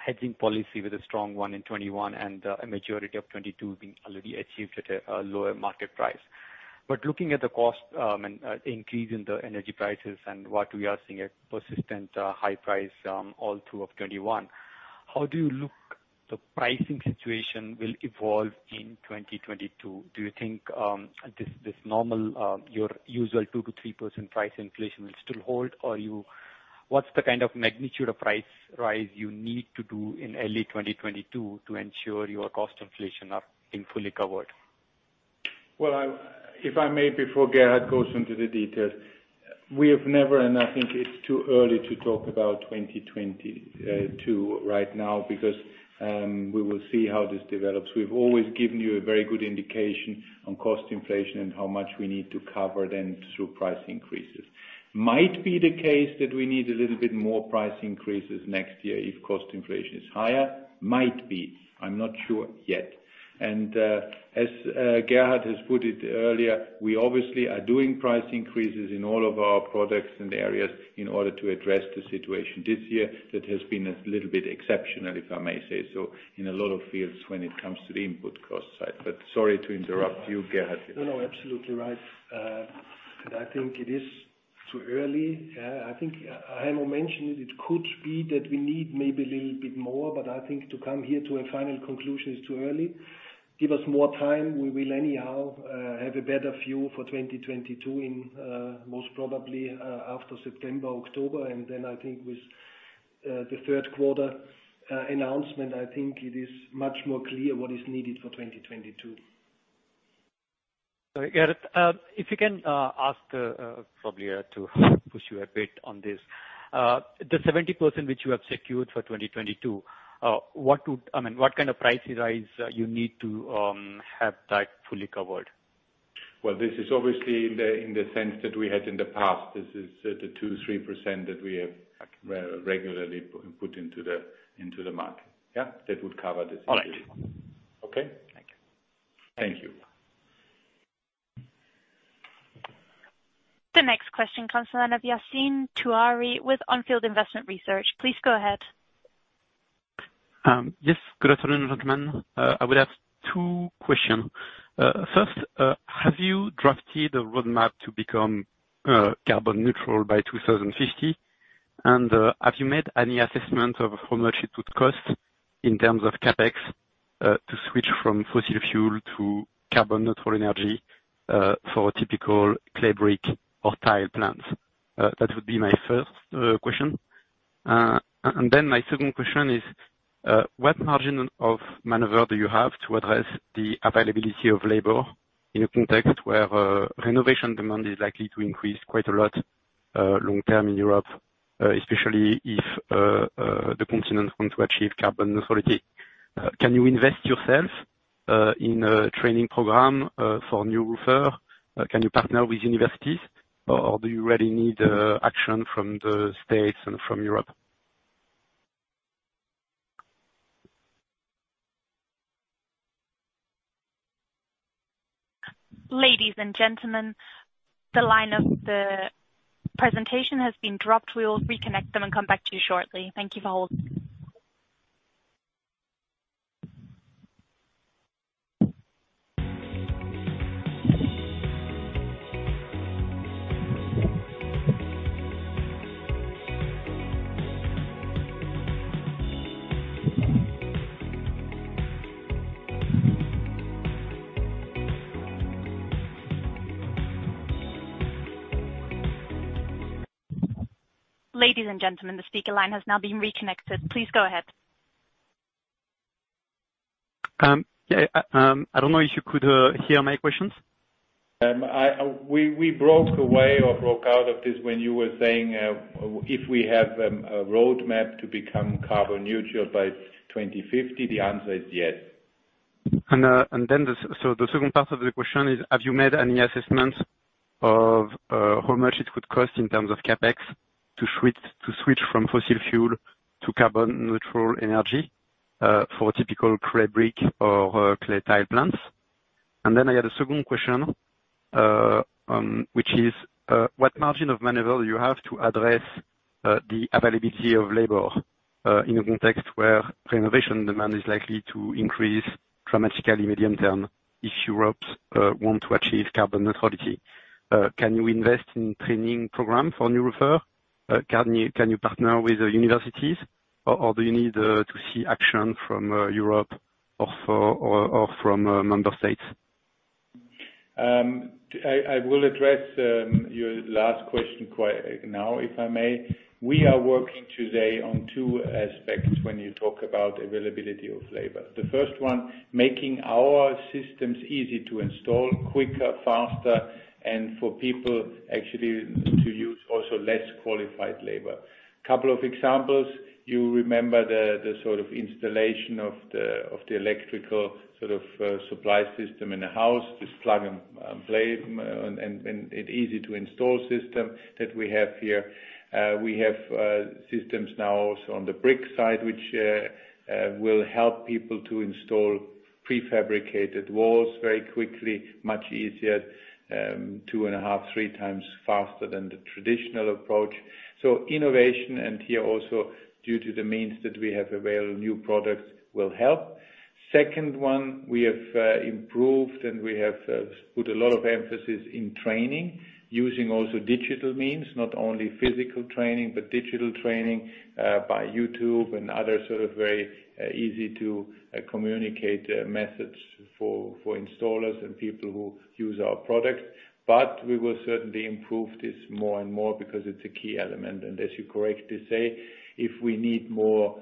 [SPEAKER 7] hedging policy with a strong one in 2021 and a majority of 2022 being already achieved at a lower market price. Looking at the cost, and increase in the energy prices and what we are seeing, a persistent high price all through of 2021. How do you look the pricing situation will evolve in 2022? Do you think this normal, your usual 2%-3% price inflation will still hold? What's the kind of magnitude of price rise you need to do in early 2022 to ensure your cost inflation are being fully covered?
[SPEAKER 3] Well, if I may, before Gerhard goes into the details. We have never, and I think it's too early to talk about 2022 right now, because we will see how this develops. We've always given you a very good indication on cost inflation and how much we need to cover then through price increases. Might be the case that we need a little bit more price increases next year if cost inflation is higher. Might be. I'm not sure yet. As Gerhard has put it earlier, we obviously are doing price increases in all of our products and areas in order to address the situation this year that has been a little bit exceptional, if I may say so, in a lot of fields when it comes to the input cost side. Sorry to interrupt you, Gerhard.
[SPEAKER 4] No, no, absolutely right. I think it is too early. I think Heimo mentioned it could be that we need maybe a little bit more, but I think to come here to a final conclusion is too early. Give us more time. We will anyhow have a better view for 2022 in, most probably, after September, October. Then I think with the third quarter announcement, I think it is much more clear what is needed for 2022.
[SPEAKER 7] Gerhard, if you can ask, probably to push you a bit on this. The 70% which you have secured for 2022, what kind of price rise you need to have that fully covered?
[SPEAKER 3] Well, this is obviously in the sense that we had in the past. This is the 2%-3% that we have regularly put into the market. Yeah.
[SPEAKER 7] All right.
[SPEAKER 3] Okay?
[SPEAKER 7] Thank you.
[SPEAKER 3] Thank you.
[SPEAKER 1] The next question comes from Yassine Touahri with On Field Investment Research. Please go ahead.
[SPEAKER 8] Yes. Good afternoon, gentlemen. I would have two question. 1st, have you drafted a roadmap to become carbon neutral by 2050? Have you made any assessment of how much it would cost in terms of CapEx, to switch from fossil fuel to carbon neutral energy, for typical clay brick or tile plants? That would be my first question. Then my 2nd question is, what margin of maneuver do you have to address the availability of labor in a context where renovation demand is likely to increase quite a lot long term in Europe, especially if the continent want to achieve carbon neutrality? Can you invest yourself in a training program for new roofer? Can you partner with universities? Do you really need action from the states and from Europe?
[SPEAKER 1] Ladies and gentlemen, the line of the presentation has been dropped. We will reconnect them and come back to you shortly. Thank you for holding. Ladies and gentlemen, the speaker line has now been reconnected. Please go ahead.
[SPEAKER 8] I don't know if you could hear my questions.
[SPEAKER 3] We broke away or broke out of this when you were saying, if we have a roadmap to become carbon neutral by 2050, the answer is yes.
[SPEAKER 8] The second part of the question is, have you made any assessments of how much it would cost in terms of CapEx to switch from fossil fuel to carbon neutral energy for typical clay brick or clay tile plants? I had a second question, which is, what margin of maneuver you have to address the availability of labor in a context where renovation demand is likely to increase dramatically medium-term if Europe want to achieve carbon neutrality. Can you invest in training program for new roofer? Can you partner with universities or do you need to see action from Europe or from member states?
[SPEAKER 3] I will address your last question now, if I may. We are working today on two aspects when you talk about availability of labor. The first one, making our systems easy to install, quicker, faster, and for people actually to use also less qualified labor. Couple of examples. You remember the sort of installation of the electrical sort of supply system in a house, this plug and play, and an easy-to-install system that we have here. We have systems now also on the brick side, which will help people to install prefabricated walls very quickly, much easier, two and a half, three times faster than the traditional approach. Innovation, and here also, due to the means that we have available, new products will help. Second one, we have improved and we have put a lot of emphasis in training, using also digital means, not only physical training, but digital training by YouTube and other sort of very easy-to-communicate methods for installers and people who use our products. We will certainly improve this more and more because it's a key element. As you correctly say, if we need more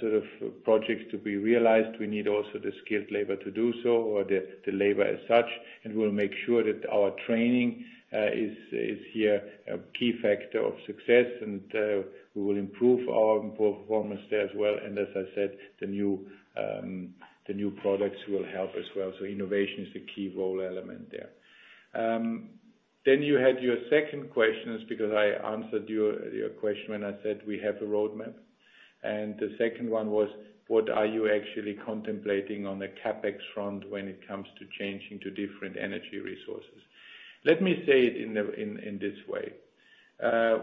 [SPEAKER 3] sort of projects to be realized, we need also the skilled labor to do so or the labor as such. We'll make sure that our training is here a key factor of success and we will improve our performance there as well. As I said, the new products will help as well. Innovation is the key role element there. You had your second questions, because I answered your question when I said we have a roadmap. The second one was, what are you actually contemplating on the CapEx front when it comes to changing to different energy resources? Let me say it in this way.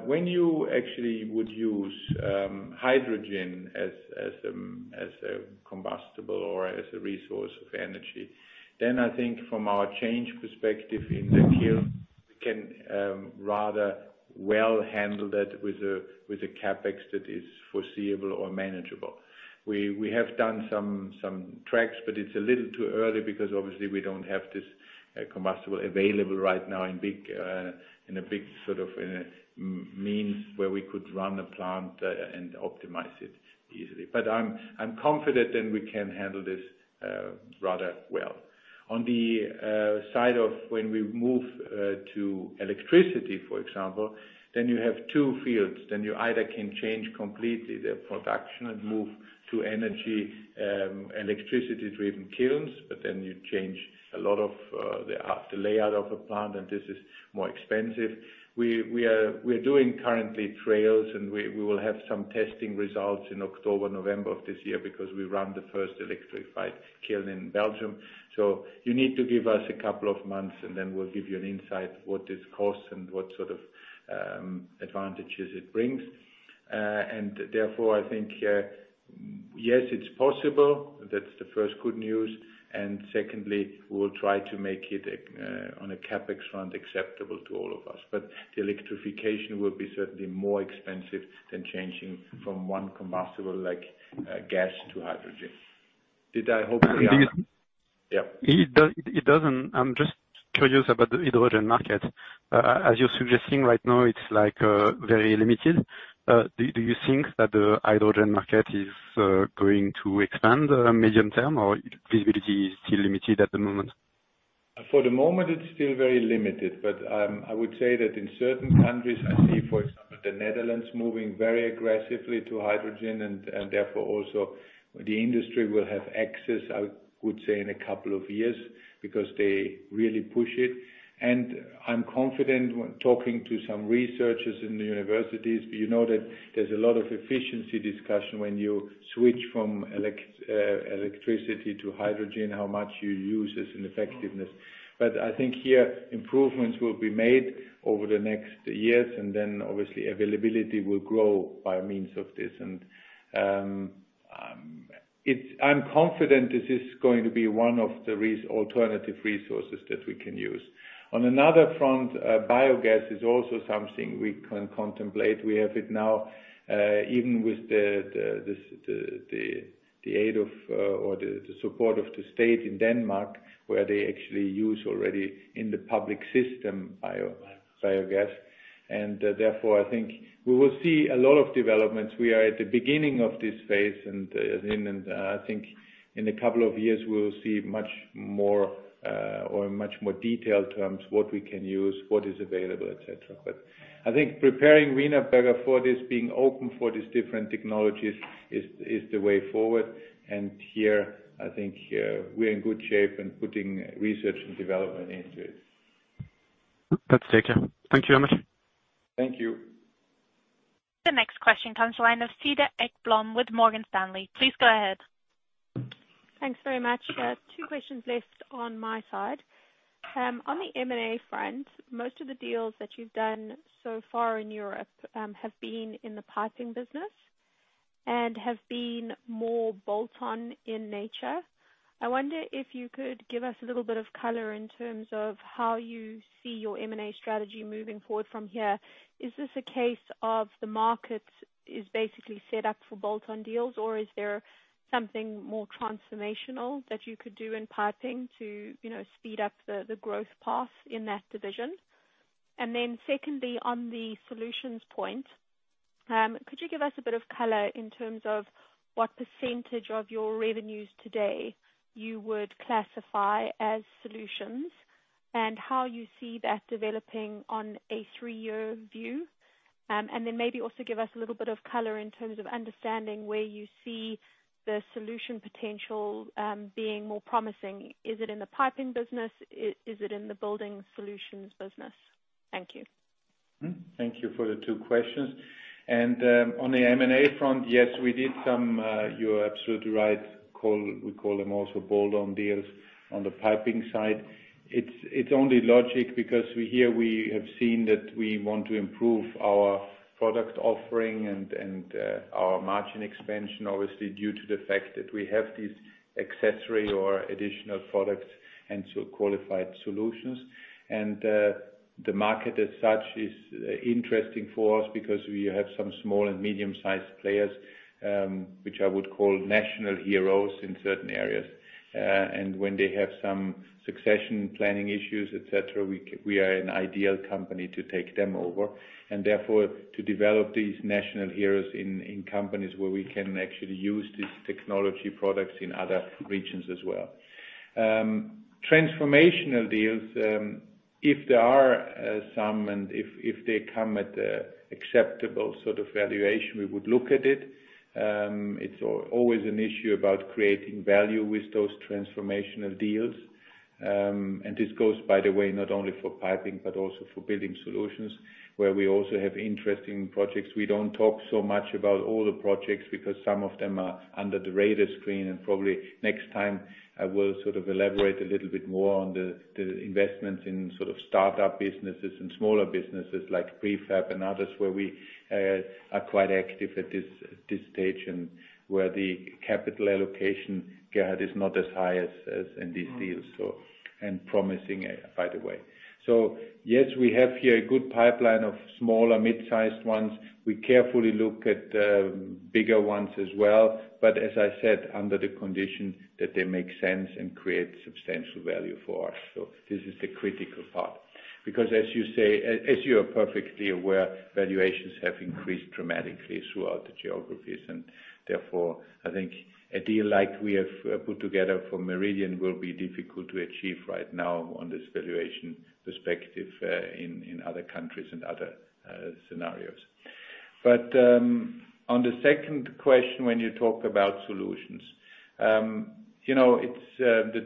[SPEAKER 3] When you actually would use hydrogen as a combustible or as a resource of energy, then I think from our change perspective in the kiln, we can rather well handle that with a CapEx that is foreseeable or manageable. We have done some tracks, but it's a little too early because obviously we don't have this combustible available right now in a big sort of means where we could run a plant and optimize it easily. I'm confident that we can handle this rather well. On the side of when we move to electricity, for example, then you have two fields. You either can change completely the production and move to energy, electricity-driven kilns, but then you change a lot of the layout of a plant, and this is more expensive. We're doing currently trails, and we will have some testing results in October, November of this year because we run the first electrified kiln in Belgium. You need to give us a couple of months, and then we'll give you an insight what this costs and what sort of advantages it brings. Therefore, I think, yes, it's possible. Secondly, we'll try to make it on a CapEx front acceptable to all of us. The electrification will be certainly more expensive than changing from one combustible like gas to hydrogen.
[SPEAKER 8] It doesn't. I'm just curious about the hydrogen market. As you're suggesting right now, it's very limited. Do you think that the hydrogen market is going to expand medium-term, or visibility is still limited at the moment?
[SPEAKER 3] For the moment, it's still very limited, but I would say that in certain countries, I see, for example, the Netherlands moving very aggressively to hydrogen and therefore also the industry will have access, I would say, in a couple of years because they really push it. I'm confident when talking to some researchers in the universities, you know that there's a lot of efficiency discussion when you switch from electricity to hydrogen, how much you use this in effectiveness. I think here improvements will be made over the next years, and then obviously availability will grow by means of this. I'm confident this is going to be one of the alternative resources that we can use. On another front, biogas is also something we can contemplate. We have it now. Even with the aid or the support of the state in Denmark, where they actually use already in the public system biogas. Therefore, I think we will see a lot of developments. We are at the beginning of this phase, and I think in a couple of years we will see much more or much more detailed terms, what we can use, what is available, et cetera. I think preparing Wienerberger for this, being open for these different technologies is the way forward. Here, I think we're in good shape and putting research and development into it.
[SPEAKER 8] That's taken. Thank you very much.
[SPEAKER 3] Thank you.
[SPEAKER 1] The next question comes the line of Cedar Ekblom with Morgan Stanley. Please go ahead.
[SPEAKER 9] Thanks very much. Two questions left on my side. On the M&A front, most of the deals that you've done so far in Europe have been in the piping business and have been more bolt-on in nature. I wonder if you could give us a little bit of color in terms of how you see your M&A strategy moving forward from here. Is this a case of the market is basically set up for bolt-on deals, or is there something more transformational that you could do in piping to speed up the growth path in that division? Secondly, on the solutions point, could you give us a bit of color in terms of what percentage of your revenues today you would classify as solutions and how you see that developing on a three-year view? Maybe also give us a little bit of color in terms of understanding where you see the solution potential being more promising. Is it in the piping business? Is it in the building solutions business? Thank you.
[SPEAKER 3] Thank you for the two questions. On the M&A front, yes, we did some, you're absolutely right, we call them also bolt-on deals on the piping side. It's only logic because here we have seen that we want to improve our product offering and our margin expansion, obviously, due to the fact that we have these accessory or additional products and so qualified solutions. The market as such is interesting for us because we have some small and medium-sized players, which I would call national heroes in certain areas. When they have some succession planning issues, et cetera, we are an ideal company to take them over. Therefore, to develop these national heroes in companies where we can actually use these technology products in other regions as well. Transformational deals, if there are some and if they come at an acceptable sort of valuation, we would look at it. It's always an issue about creating value with those transformational deals. This goes, by the way, not only for piping, but also for building solutions, where we also have interesting projects. We don't talk so much about all the projects because some of them are under the radar screen. Probably next time I will sort of elaborate a little bit more on the investments in sort of startup businesses and smaller businesses like prefab and others, where we are quite active at this stage and where the capital allocation gap is not as high as in these deals, and promising, by the way. Yes, we have here a good pipeline of small or mid-sized ones. We carefully look at bigger ones as well, as I said, under the condition that they make sense and create substantial value for us. This is the critical part. As you are perfectly aware, valuations have increased dramatically throughout the geographies, therefore, I think a deal like we have put together for Meridian will be difficult to achieve right now on this valuation perspective in other countries and other scenarios. On the second question, when you talk about solutions, the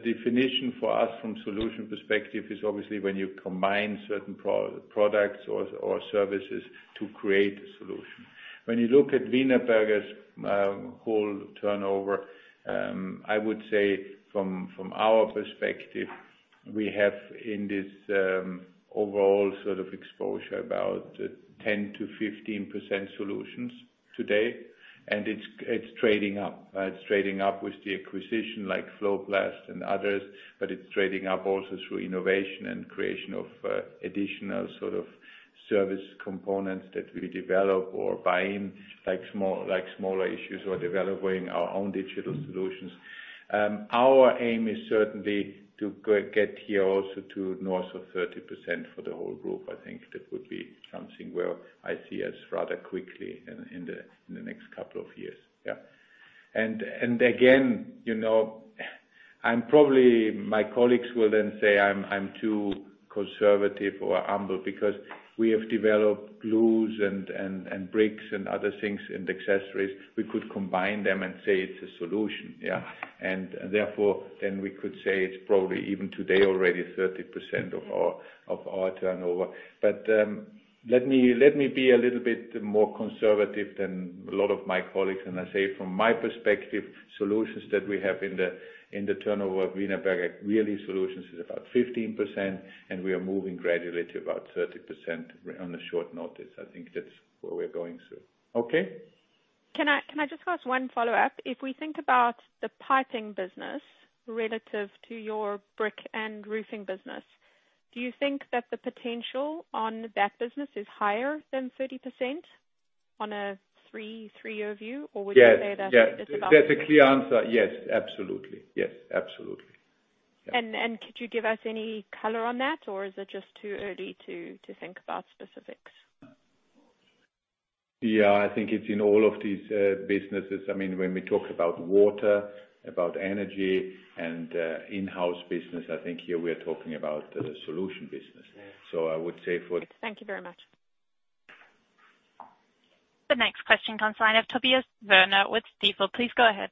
[SPEAKER 3] definition for us from solution perspective is obviously when you combine certain products or services to create a solution. When you look at Wienerberger's whole turnover, I would say from our perspective, we have in this overall sort of exposure about 10%-15% solutions today, it's trading up. It's trading up with the acquisition like FloPlast and others, but it's trading up also through innovation and creation of additional sort of service components that we develop or buy in, like smaller issues or developing our own digital solutions. Our aim is certainly to get here also to north of 30% for the whole group. I think that would be something where I see us rather quickly in the next couple of years. Yeah. Again, probably my colleagues will then say I'm too conservative or humble because we have developed glues and bricks and other things and accessories. We could combine them and say it's a solution. Yeah. Therefore, then we could say it's probably even today already 30% of our turnover. Let me be a little bit more conservative than a lot of my colleagues. I say from my perspective, solutions that we have in the turnover of Wienerberger, really solutions is about 15% and we are moving gradually to about 30% on a short notice. I think that's where we're going through. Okay?
[SPEAKER 9] Can I just ask one follow-up? If we think about the piping business relative to your brick and roofing business, do you think that the potential on that business is higher than 30% on a three-year view?
[SPEAKER 3] Yes. That's a clear answer. Yes, absolutely.
[SPEAKER 9] Could you give us any color on that, or is it just too early to think about specifics?
[SPEAKER 3] I think it's in all of these businesses. When we talk about water, about energy, and in-house business, I think here we are talking about the solution business.
[SPEAKER 9] Thank you very much.
[SPEAKER 1] The next question comes line of Tobias Woerner with Stifel. Please go ahead.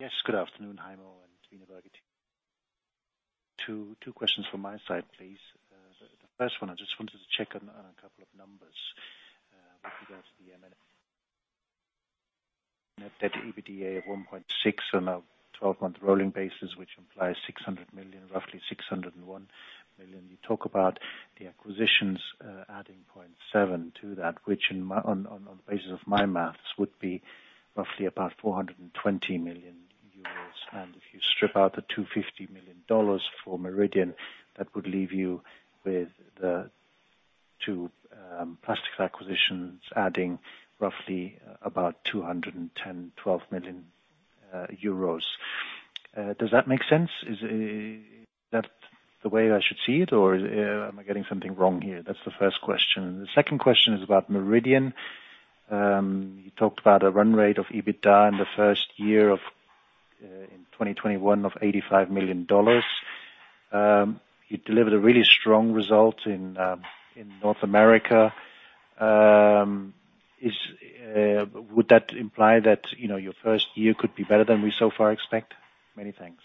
[SPEAKER 10] Yes. Good afternoon, Heimo and Wienerberger. Two questions from my side, please. The first one, I just wanted to check on a couple of numbers, with regards to the M&A. Net Debt EBITDA of 1.6% on a 12-month rolling basis, which implies 600 million, roughly 601 million. You talk about the acquisitions, adding 0.7% to that, which on the basis of my math, would be roughly about 420 million euros. If you strip out the $250 million for Meridian, that would leave you with the two plastics acquisitions adding roughly about 212 million euros. Does that make sense? Is that the way I should see it, or am I getting something wrong here? That's the 1st question. The 2nd question is about Meridian. You talked about a run rate of EBITDA in the first year of 2021 of $85 million. You delivered a really strong result in North America. Would that imply that your first year could be better than we so far expect? Many thanks.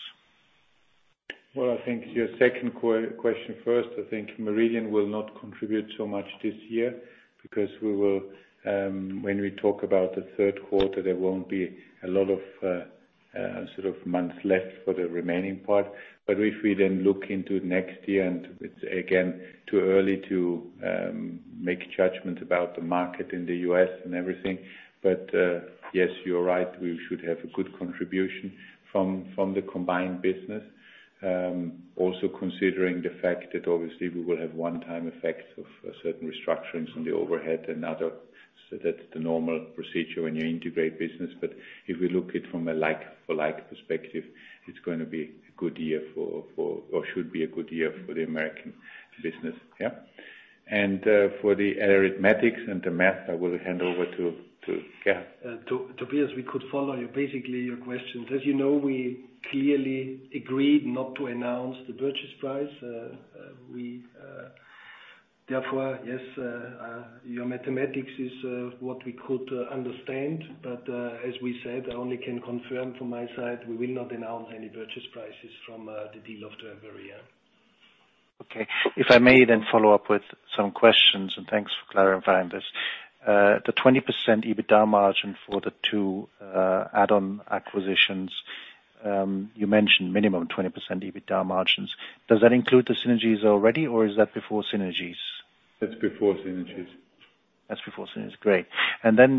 [SPEAKER 3] Well, I think your second question first, I think Meridian will not contribute so much this year because when we talk about the third quarter, there won't be a lot of months left for the remaining part. If we then look into next year, and it's again, too early to make judgments about the market in the U.S. and everything. Yes, you're right, we should have a good contribution from the combined business. Also considering the fact that obviously we will have one-time effects of certain restructurings in the overhead and other, so that the normal procedure when you integrate business. If we look it from a like-for-like perspective, it's going to be a good year for, or should be a good year for the American business. Yeah. For the arithmetics and the math, I will hand over to Gerhard.
[SPEAKER 4] Tobias, we could follow basically your questions. As you know, we clearly agreed not to announce the purchase price. Therefore, yes, your mathematics is what we could understand. As we said, I only can confirm from my side, we will not announce any purchase prices from the deal of Meridian.
[SPEAKER 10] Okay. If I may then follow up with some questions, and thanks for clarifying this. The 20% EBITDA margin for the two add-on acquisitions, you mentioned minimum 20% EBITDA margins. Does that include the synergies already, or is that before synergies?
[SPEAKER 3] That's before synergies.
[SPEAKER 10] That's before synergies. Great.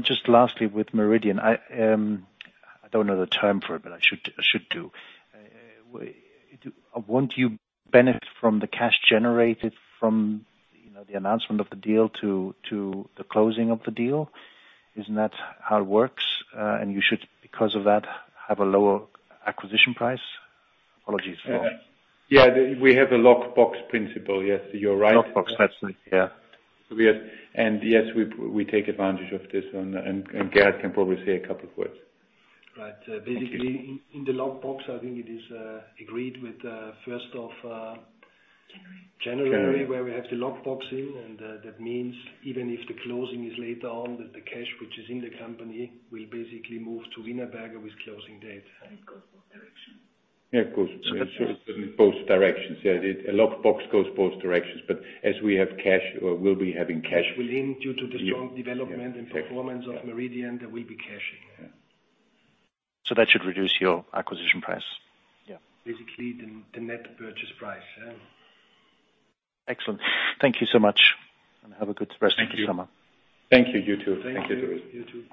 [SPEAKER 10] Just lastly, with Meridian, I don't know the term for it, but I should do. Won't you benefit from the cash generated from the announcement of the deal to the closing of the deal? Isn't that how it works? You should, because of that, have a lower acquisition price?
[SPEAKER 3] Yeah. We have a lock box principle. Yes, you're right.
[SPEAKER 10] Lock box, that's it. Yeah.
[SPEAKER 3] Yes, we take advantage of this and Gerhard can probably say a couple of words.
[SPEAKER 4] Right. Basically, in the lock box, I think it is agreed with. January January, where we have the lock box in, and that means even if the closing is later on, that the cash which is in the company will basically move to Wienerberger with closing date.
[SPEAKER 10] It goes both directions.
[SPEAKER 3] Yeah. It goes both directions. Yeah. A lock box goes both directions. As we have cash or will be having cash.
[SPEAKER 4] Which will end due to the strong development and performance of Meridian, there will be cash.
[SPEAKER 3] Yeah.
[SPEAKER 10] That should reduce your acquisition price.
[SPEAKER 3] Yeah.
[SPEAKER 4] Basically, the net purchase price. Yeah.
[SPEAKER 10] Excellent. Thank you so much, and have a good rest of your summer.
[SPEAKER 3] Thank you. You too.
[SPEAKER 4] Thank you. You too.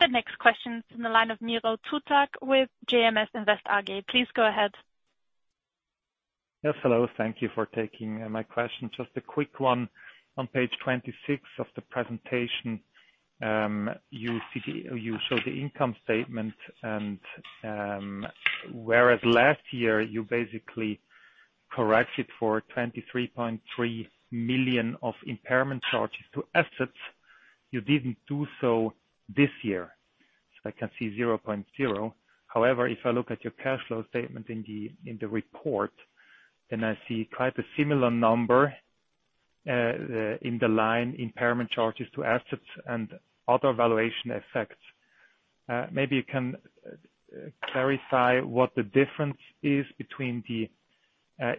[SPEAKER 1] The next question is in the line of Miro Zuzak with JMS Invest AG. Please go ahead.
[SPEAKER 11] Yes, hello. Thank you for taking my question. Just a quick one. On page 26 of the presentation, you show the income statement. Whereas last year you basically corrected for 23.3 million of impairment charges to assets, you didn't do so this year. I can see 0.0. However, if I look at your cash flow statement in the report, I see quite a similar number in the line impairment charges to assets and other valuation effects. Maybe you can clarify what the difference is between the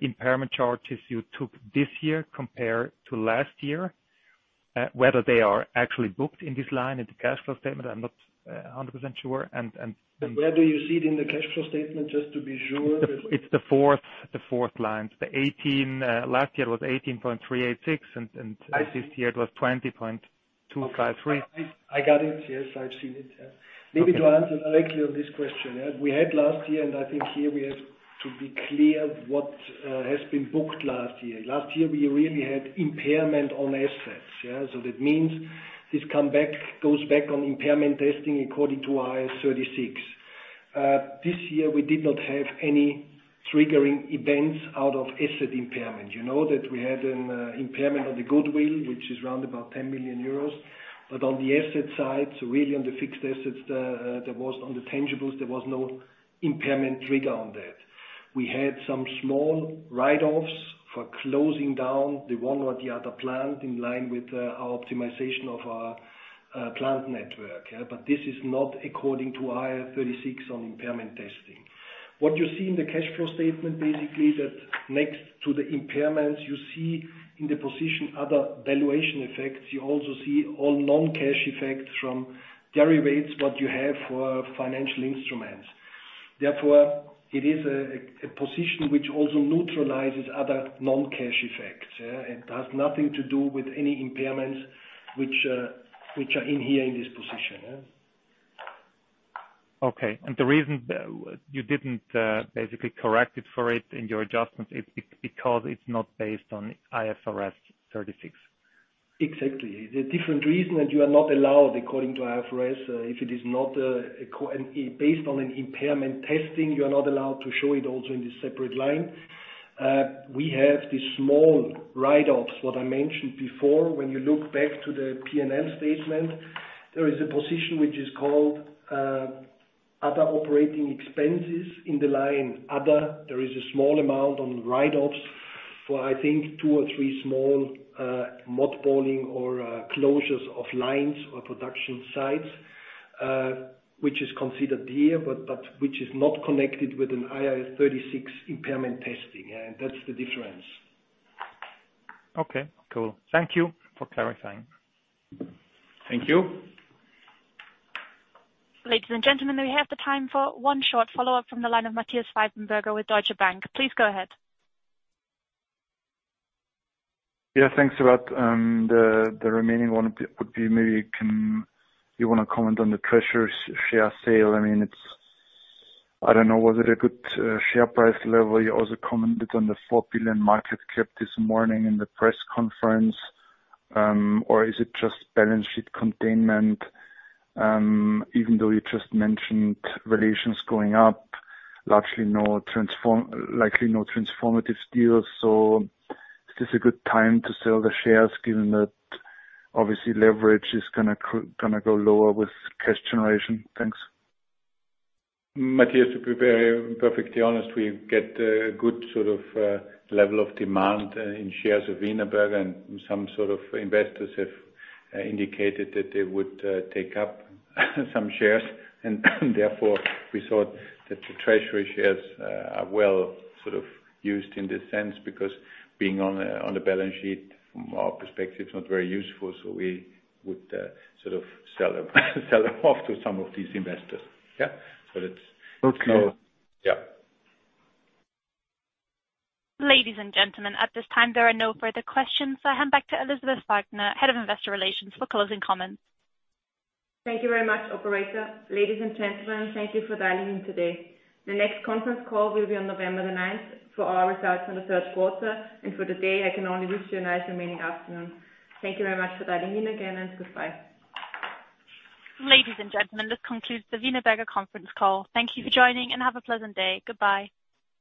[SPEAKER 11] impairment charges you took this year compared to last year, whether they are actually booked in this line in the cash flow statement, I'm not 100% sure?
[SPEAKER 3] Where do you see it in the cash flow statement, just to be sure?
[SPEAKER 11] It's the fourth line. Last year it was 18.386 and this year it was 20.253.
[SPEAKER 4] I got it. Yes, I've seen it. Maybe to answer directly on this question, we had last year, and I think here we have to be clear what has been booked last year. Last year, we really had impairment on assets. That means this goes back on impairment testing according to IAS 36. This year, we did not have any triggering events out of asset impairment. You know that we had an impairment of the goodwill, which is around about 10 million euros. On the asset side, really on the fixed assets, on the tangibles, there was no impairment trigger on that. We had some small write-offs for closing down the one or the other plant in line with our optimization of our plant network. This is not according to IAS 36 on impairment testing. What you see in the cash flow statement, basically, that next to the impairments, you see in the position other valuation effects. You also see all non-cash effects from derivatives, what you have for financial instruments. Therefore, it is a position which also neutralizes other non-cash effects. It has nothing to do with any impairments which are in here in this position.
[SPEAKER 11] Okay. The reason you didn't basically correct it for it in your adjustments is because it's not based on IAS 36.
[SPEAKER 4] Exactly. The different reason that you are not allowed according to IFRS, if it is not based on an impairment testing, you are not allowed to show it also in this separate line. We have these small write-offs, what I mentioned before. When you look back to the P&L statement, there is a position which is called other operating expenses in the line. Other, there is a small amount on write-offs for, I think, two or three small mothballing or closures of lines or production sites, which is considered here, but which is not connected with an IAS 36 impairment testing. That's the difference.
[SPEAKER 11] Okay, cool. Thank you for clarifying.
[SPEAKER 4] Thank you.
[SPEAKER 1] Ladies and gentlemen, we have the time for one short follow-up from the line of Matthias Pfeifenberger with Deutsche Bank. Please go ahead.
[SPEAKER 6] Yeah, thanks a lot. The remaining one would be maybe you want to comment on the treasury share sale. I don't know, was it a good share price level? You also commented on the 4 billion market cap this morning in the press conference, or is it just balance sheet containment? You just mentioned relations going up, likely no transformative deals. Is this a good time to sell the shares given that obviously leverage is going to go lower with cash generation? Thanks.
[SPEAKER 3] Matthias, to be very perfectly honest, we get a good sort of level of demand in shares of Wienerberger. Some sort of investors have indicated that they would take up some shares. Therefore we thought that the Treasury shares are well sort of used in this sense because being on the balance sheet from our perspective is not very useful. We would sort of sell them off to some of these investors. Yeah.
[SPEAKER 6] Okay.
[SPEAKER 3] Yeah.
[SPEAKER 1] Ladies and gentlemen, at this time, there are no further questions. I hand back to Elisabeth Falkner, Head of Investor Relations for closing comments.
[SPEAKER 2] Thank you very much, operator. Ladies and gentlemen, thank you for dialing in today. The next conference call will be on November 9th for our results on the third quarter. For the day, I can only wish you a nice remaining afternoon. Thank you very much for dialing in again, and goodbye.
[SPEAKER 1] Ladies and gentlemen, this concludes the Wienerberger conference call. Thank you for joining, and have a pleasant day. Goodbye.